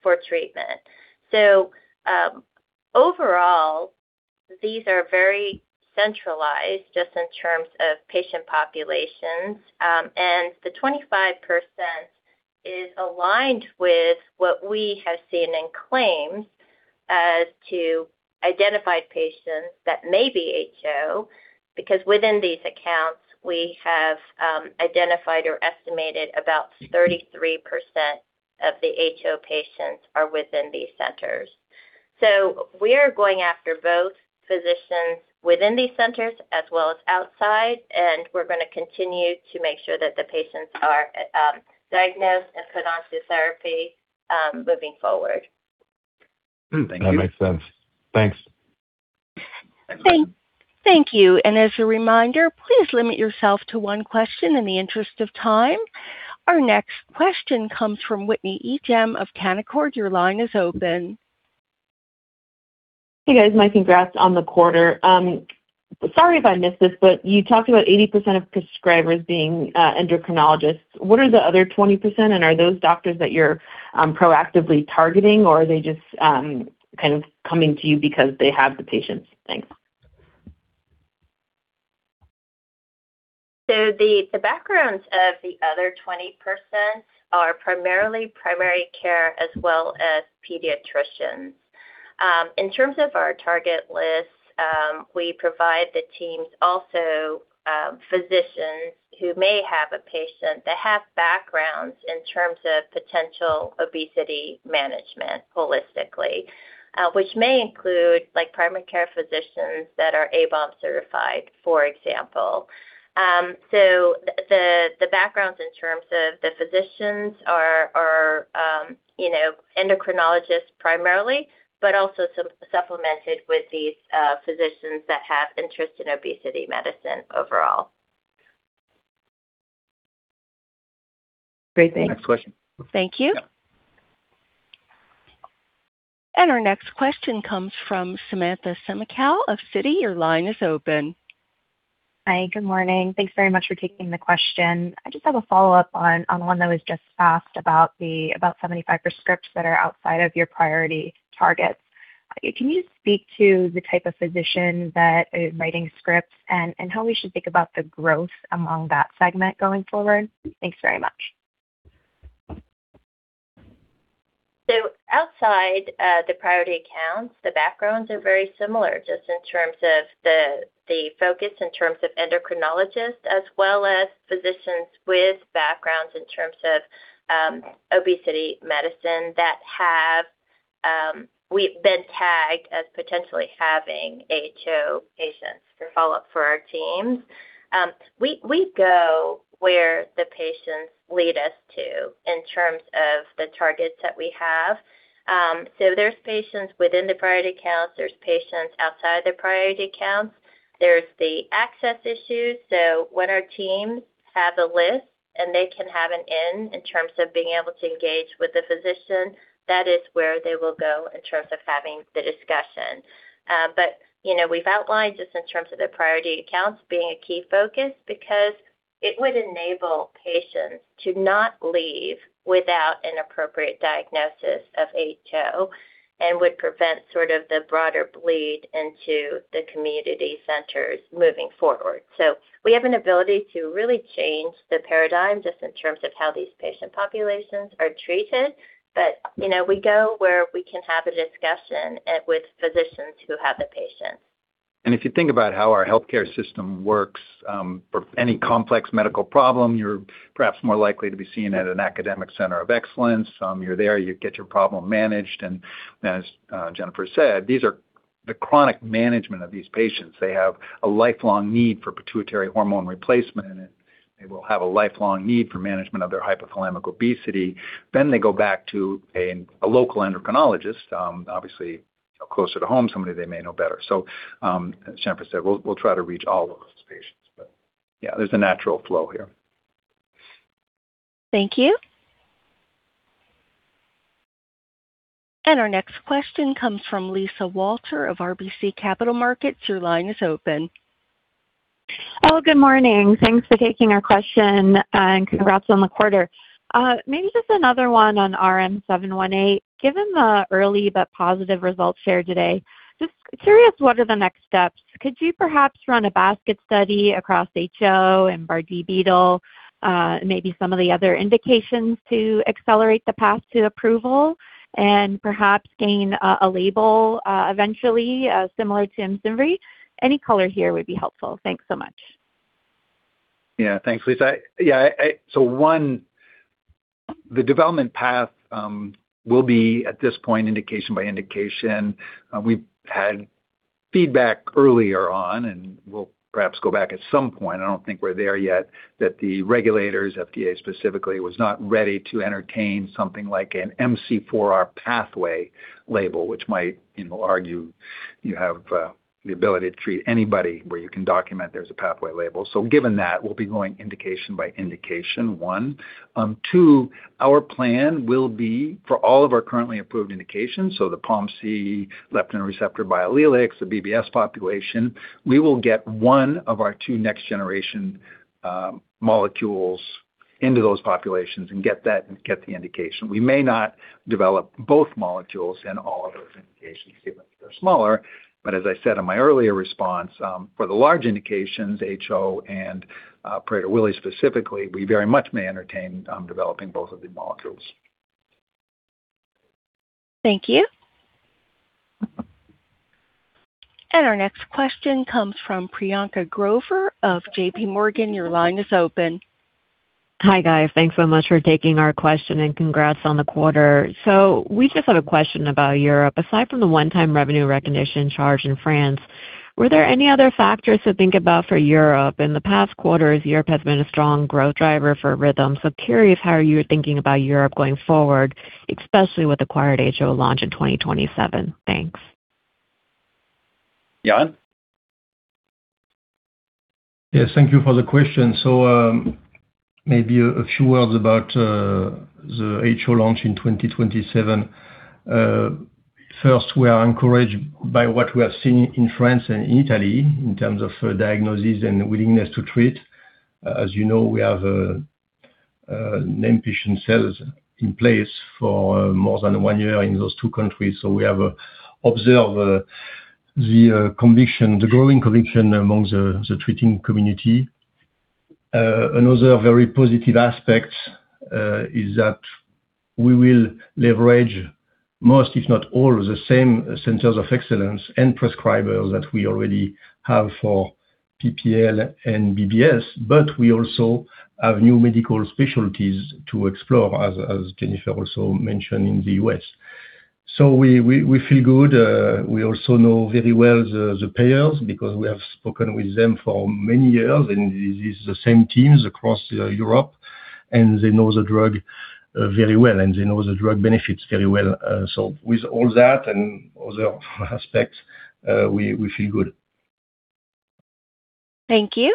for treatment. Overall, these are very centralized just in terms of patient populations. The 25% is aligned with what we have seen in claims as to identified patients that may be HO, because within these accounts, we have identified or estimated about 33% of the HO patients are within these centers. We are going after both physicians within these centers as well as outside, we're going to continue to make sure that the patients are diagnosed and put onto therapy moving forward. Thank you. That makes sense. Thanks. You're welcome. Thank you. As a reminder, please limit yourself to one question in the interest of time. Our next question comes from Whitney Ijem of Canaccord. Your line is open. Hey, guys. My congrats on the quarter. Sorry if I missed this, you talked about 80% of prescribers being endocrinologists. What are the other 20%, are those doctors that you're proactively targeting, or are they just kind of coming to you because they have the patients? Thanks. The backgrounds of the other 20% are primarily primary care as well as pediatricians. In terms of our target lists, we provide the teams also physicians who may have a patient that have backgrounds in terms of potential obesity management holistically. Which may include primary care physicians that are ABOM certified, for example. The backgrounds in terms of the physicians are endocrinologists primarily, also supplemented with these physicians that have interest in obesity medicine overall. Great. Thanks. Next question. Thank you. Yeah. Our next question comes from Samantha Semenkow of Citi. Your line is open. Hi. Good morning. Thanks very much for taking the question. I just have a follow-up on one that was just asked about the 75 scripts that are outside of your priority targets. Can you speak to the type of physician that is writing scripts and how we should think about the growth among that segment going forward? Thanks very much. Outside the priority accounts, the backgrounds are very similar just in terms of the focus in terms of endocrinologists as well as physicians with backgrounds in terms of obesity medicine that have been tagged as potentially having HO patients for follow-up for our teams. We go where the patients lead us to in terms of the targets that we have. There's patients within the priority accounts. There's patients outside the priority accounts. There's the access issues. When our teams have a list and they can have an in terms of being able to engage with the physician, that is where they will go in terms of having the discussion. We've outlined just in terms of the priority accounts being a key focus because it would enable patients to not leave without an appropriate diagnosis of HO and would prevent sort of the broader bleed into the community centers moving forward. We have an ability to really change the paradigm just in terms of how these patient populations are treated. We go where we can have a discussion with physicians who have the patients. If you think about how our healthcare system works, for any complex medical problem, you're perhaps more likely to be seen at an academic center of excellence. You're there, you get your problem managed, and as Jennifer said, these are the chronic management of these patients, they have a lifelong need for pituitary hormone replacement, and they will have a lifelong need for management of their hypothalamic obesity. They go back to a local endocrinologist, obviously closer to home, somebody they may know better. As Jennifer said, we'll try to reach all of those patients. Yeah, there's a natural flow here. Thank you. Our next question comes from Lisa Walter of RBC Capital Markets. Your line is open. Oh, good morning. Thanks for taking our question and congrats on the quarter. Maybe just another one on RM-718. Given the early but positive results shared today, just curious, what are the next steps? Could you perhaps run a basket study across HO and Bardet-Biedl, maybe some of the other indications to accelerate the path to approval and perhaps gain a label, eventually, similar to IMCIVREE? Any color here would be helpful. Thanks so much. Thanks, Lisa. One, the development path will be, at this point, indication by indication. We've had feedback earlier on, and we'll perhaps go back at some point, I don't think we're there yet, that the regulators, FDA specifically, was not ready to entertain something like an MC4R pathway label, which might argue you have the ability to treat anybody where you can document there's a pathway label. Given that, we'll be going indication by indication, one. Two, our plan will be for all of our currently approved indications, so the POMC leptin receptor biallelic, the BBS population. We will get one of our two next-generation molecules into those populations and get the indication. We may not develop both molecules in all of those indications given that they're smaller. As I said in my earlier response, for the large indications, HO and Prader-Willi specifically, we very much may entertain developing both of the molecules. Thank you. Our next question comes from Priyanka Grover of JPMorgan. Your line is open. Hi, guys. Thanks so much for taking our question and congrats on the quarter. We just have a question about Europe. Aside from the one-time revenue recognition charge in France, were there any other factors to think about for Europe? In the past quarters, Europe has been a strong growth driver for Rhythm, curious how you're thinking about Europe going forward, especially with acquired HO launch in 2027. Thanks. Yann? Yes. Thank you for the question. Maybe a few words about the HO launch in 2027. First, we are encouraged by what we have seen in France and Italy in terms of diagnosis and willingness to treat. As you know, we have named patient cells in place for more than one year in those two countries. We have observed the growing conviction among the treating community. Another very positive aspect is that we will leverage most, if not all, the same centers of excellence and prescribers that we already have for PPL and BBS. We also have new medical specialties to explore, as Jennifer also mentioned, in the U.S. We feel good. We also know very well the payers because we have spoken with them for many years. This is the same teams across Europe. They know the drug very well. They know the drug benefits very well. With all that and other aspects, we feel good. Thank you.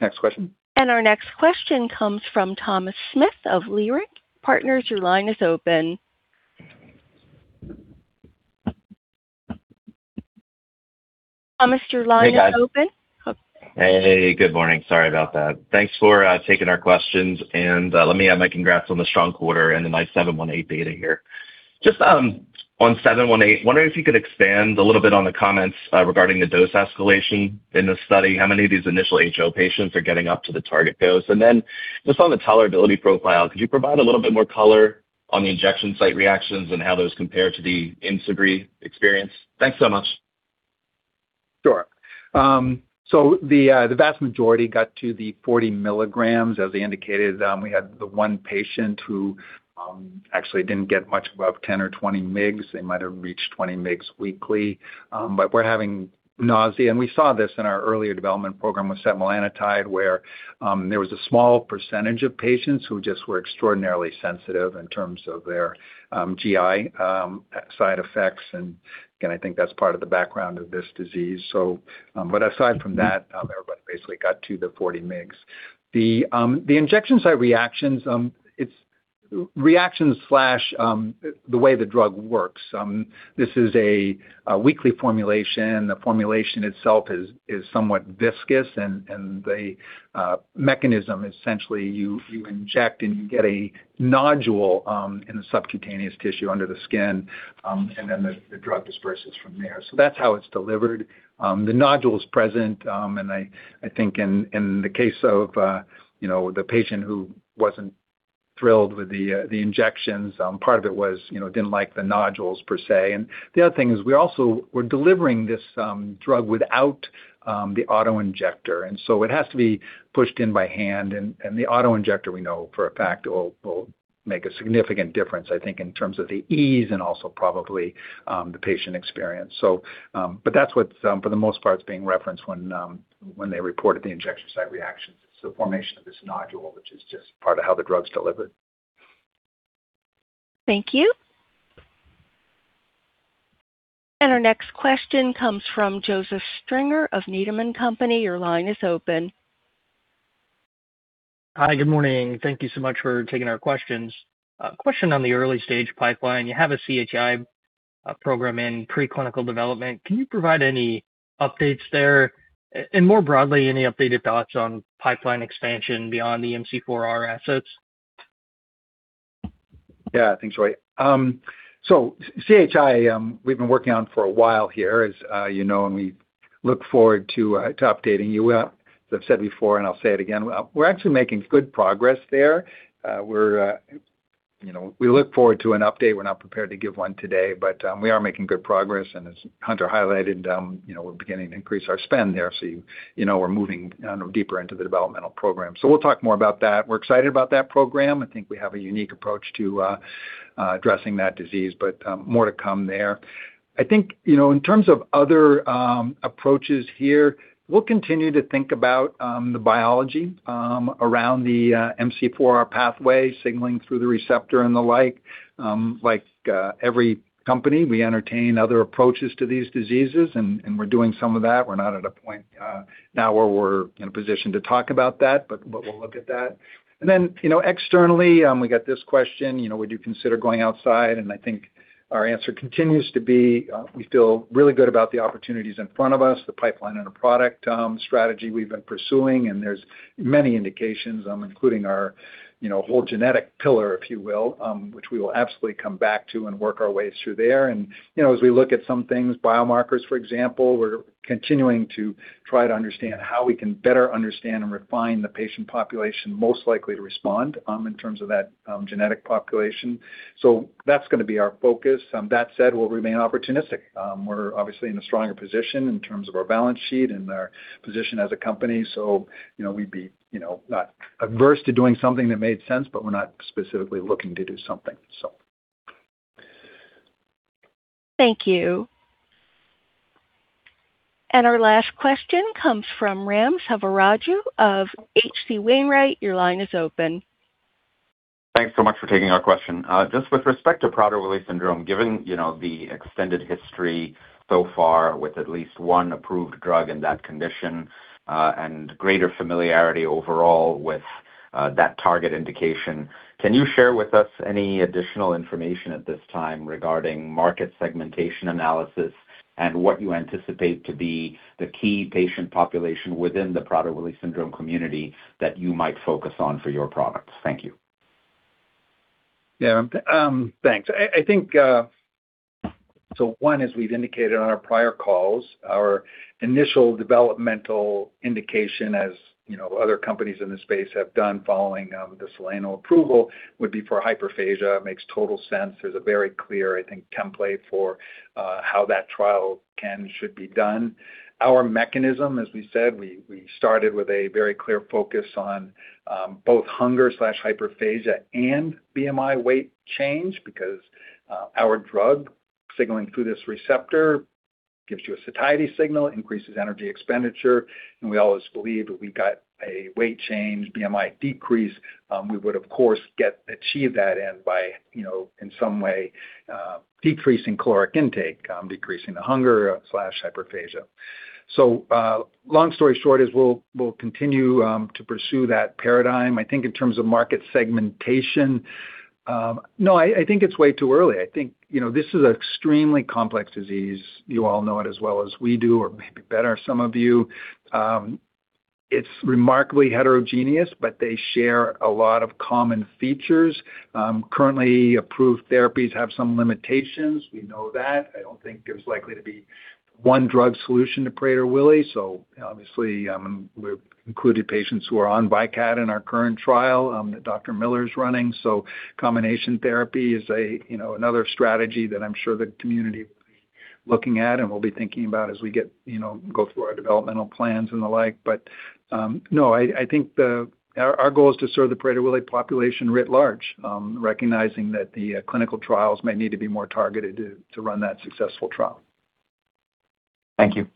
Next question. Our next question comes from Thomas Smith of Leerink Partners. Your line is open. Thomas, your line is open. Hey. Good morning. Sorry about that. Thanks for taking our questions. Let me add my congrats on the strong quarter and the nice 718 data here. Just on 718, wondering if you could expand a little bit on the comments regarding the dose escalation in the study. How many of these initial HO patients are getting up to the target dose? Then just on the tolerability profile, could you provide a little bit more color on the injection site reactions and how those compare to the IMCIVREE experience? Thanks so much. Sure. The vast majority got to the 40 mg. As I indicated, we had the one patient who actually didn't get much above 10 or 20 mgs. They might have reached 20 mgs weekly. Were having nausea, and we saw this in our earlier development program with setmelanotide, where there was a small percentage of patients who just were extraordinarily sensitive in terms of their GI side effects. Again, I think that's part of the background of this disease. Aside from that, everybody basically got to the 40 mgs. The injection site reactions. It's reactions slash the way the drug works. This is a weekly formulation. The formulation itself is somewhat viscous, and the mechanism, essentially, you inject, and you get a nodule in the subcutaneous tissue under the skin, then the drug disperses from there. That's how it's delivered. The nodule is present, I think in the case of the patient who wasn't thrilled with the injections. Part of it was, didn't like the nodules per se. The other thing is we also were delivering this drug without the auto-injector, it has to be pushed in by hand, the auto-injector, we know for a fact will make a significant difference, I think, in terms of the ease and also probably the patient experience. That's what, for the most part, is being referenced when they reported the injection site reactions. It's the formation of this nodule, which is just part of how the drug's delivered. Thank you. Our next question comes from Joseph Stringer of Needham & Company. Your line is open. Hi. Good morning. Thank you so much for taking our questions. A question on the early stage pipeline. You have a CHI program in preclinical development. Can you provide any updates there? More broadly, any updated thoughts on pipeline expansion beyond the MC4R assets? Yeah. Thanks, Joseph. CHI, we've been working on for a while here, as you know, we look forward to updating you. As I've said before, I'll say it again, we're actually making good progress there. We look forward to an update. We're not prepared to give one today, we are making good progress, as Hunter highlighted, we're beginning to increase our spend there. We're moving deeper into the developmental program. We'll talk more about that. We're excited about that program. I think we have a unique approach to addressing that disease, but more to come there. I think, in terms of other approaches here, we'll continue to think about the biology around the MC4R pathway, signaling through the receptor and the like. Like every company, we entertain other approaches to these diseases, we're doing some of that. We're not at a point now where we're in a position to talk about that, but we'll look at that. Then, externally, we get this question, would you consider going outside? I think our answer continues to be, we feel really good about the opportunities in front of us, the pipeline and the product strategy we've been pursuing, and there's many indications, including our whole genetic pillar, if you will, which we will absolutely come back to and work our way through there. As we look at some things, biomarkers, for example, we're continuing to try to understand how we can better understand and refine the patient population most likely to respond, in terms of that genetic population. That's going to be our focus. That said, we'll remain opportunistic. We're obviously in a stronger position in terms of our balance sheet and our position as a company. We'd be not averse to doing something that made sense, but we're not specifically looking to do something, so. Thank you. Our last question comes from Ram Selvaraju of H.C. Wainwright. Your line is open. Thanks so much for taking our question. Just with respect to Prader-Willi syndrome, given the extended history so far with at least one approved drug in that condition, and greater familiarity overall with that target indication, can you share with us any additional information at this time regarding market segmentation analysis and what you anticipate to be the key patient population within the Prader-Willi syndrome community that you might focus on for your products? Thank you. Thanks. One, as we've indicated on our prior calls, our initial developmental indication as other companies in this space have done following the Soleno approval, would be for hyperphagia. Makes total sense. There's a very clear, I think, template for how that trial can, should be done. Our mechanism, as we said, we started with a very clear focus on both hunger/hyperphagia and BMI weight change because our drug signaling through this receptor gives you a satiety signal, increases energy expenditure, and we always believe if we got a weight change, BMI decrease, we would of course achieve that and by, in some way, decreasing caloric intake, decreasing the hunger/hyperphagia. Long story short is we'll continue to pursue that paradigm. I think in terms of market segmentation, no, I think it's way too early. I think this is an extremely complex disease. You all know it as well as we do, or maybe better, some of you. It's remarkably heterogeneous, but they share a lot of common features. Currently approved therapies have some limitations. We know that. I don't think there's likely to be one drug solution to Prader-Willi, obviously we've included patients who are on VYKAT in our current trial that Dr. Miller's running. Combination therapy is another strategy that I'm sure the community will be looking at and will be thinking about as we go through our developmental plans and the like. No, I think our goal is to serve the Prader-Willi population writ large, recognizing that the clinical trials may need to be more targeted to run that successful trial. Thank you.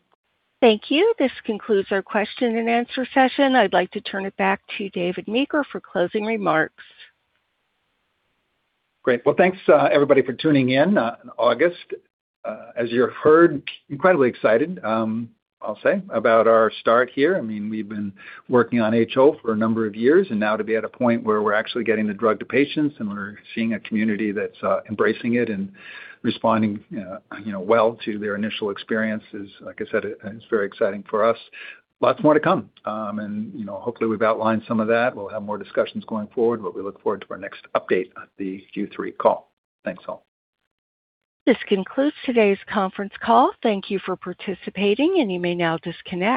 Thank you. This concludes our question and answer session. I'd like to turn it back to David Meeker for closing remarks. Great. Well, thanks, everybody, for tuning in in August. As you have heard, incredibly excited, I'll say, about our start here. We've been working on HO for a number of years, and now to be at a point where we're actually getting the drug to patients and we're seeing a community that's embracing it and responding well to their initial experience is, like I said, it's very exciting for us. Lots more to come. Hopefully we've outlined some of that. We'll have more discussions going forward, but we look forward to our next update at the Q3 call. Thanks, all. This concludes today's conference call. Thank you for participating, and you may now disconnect.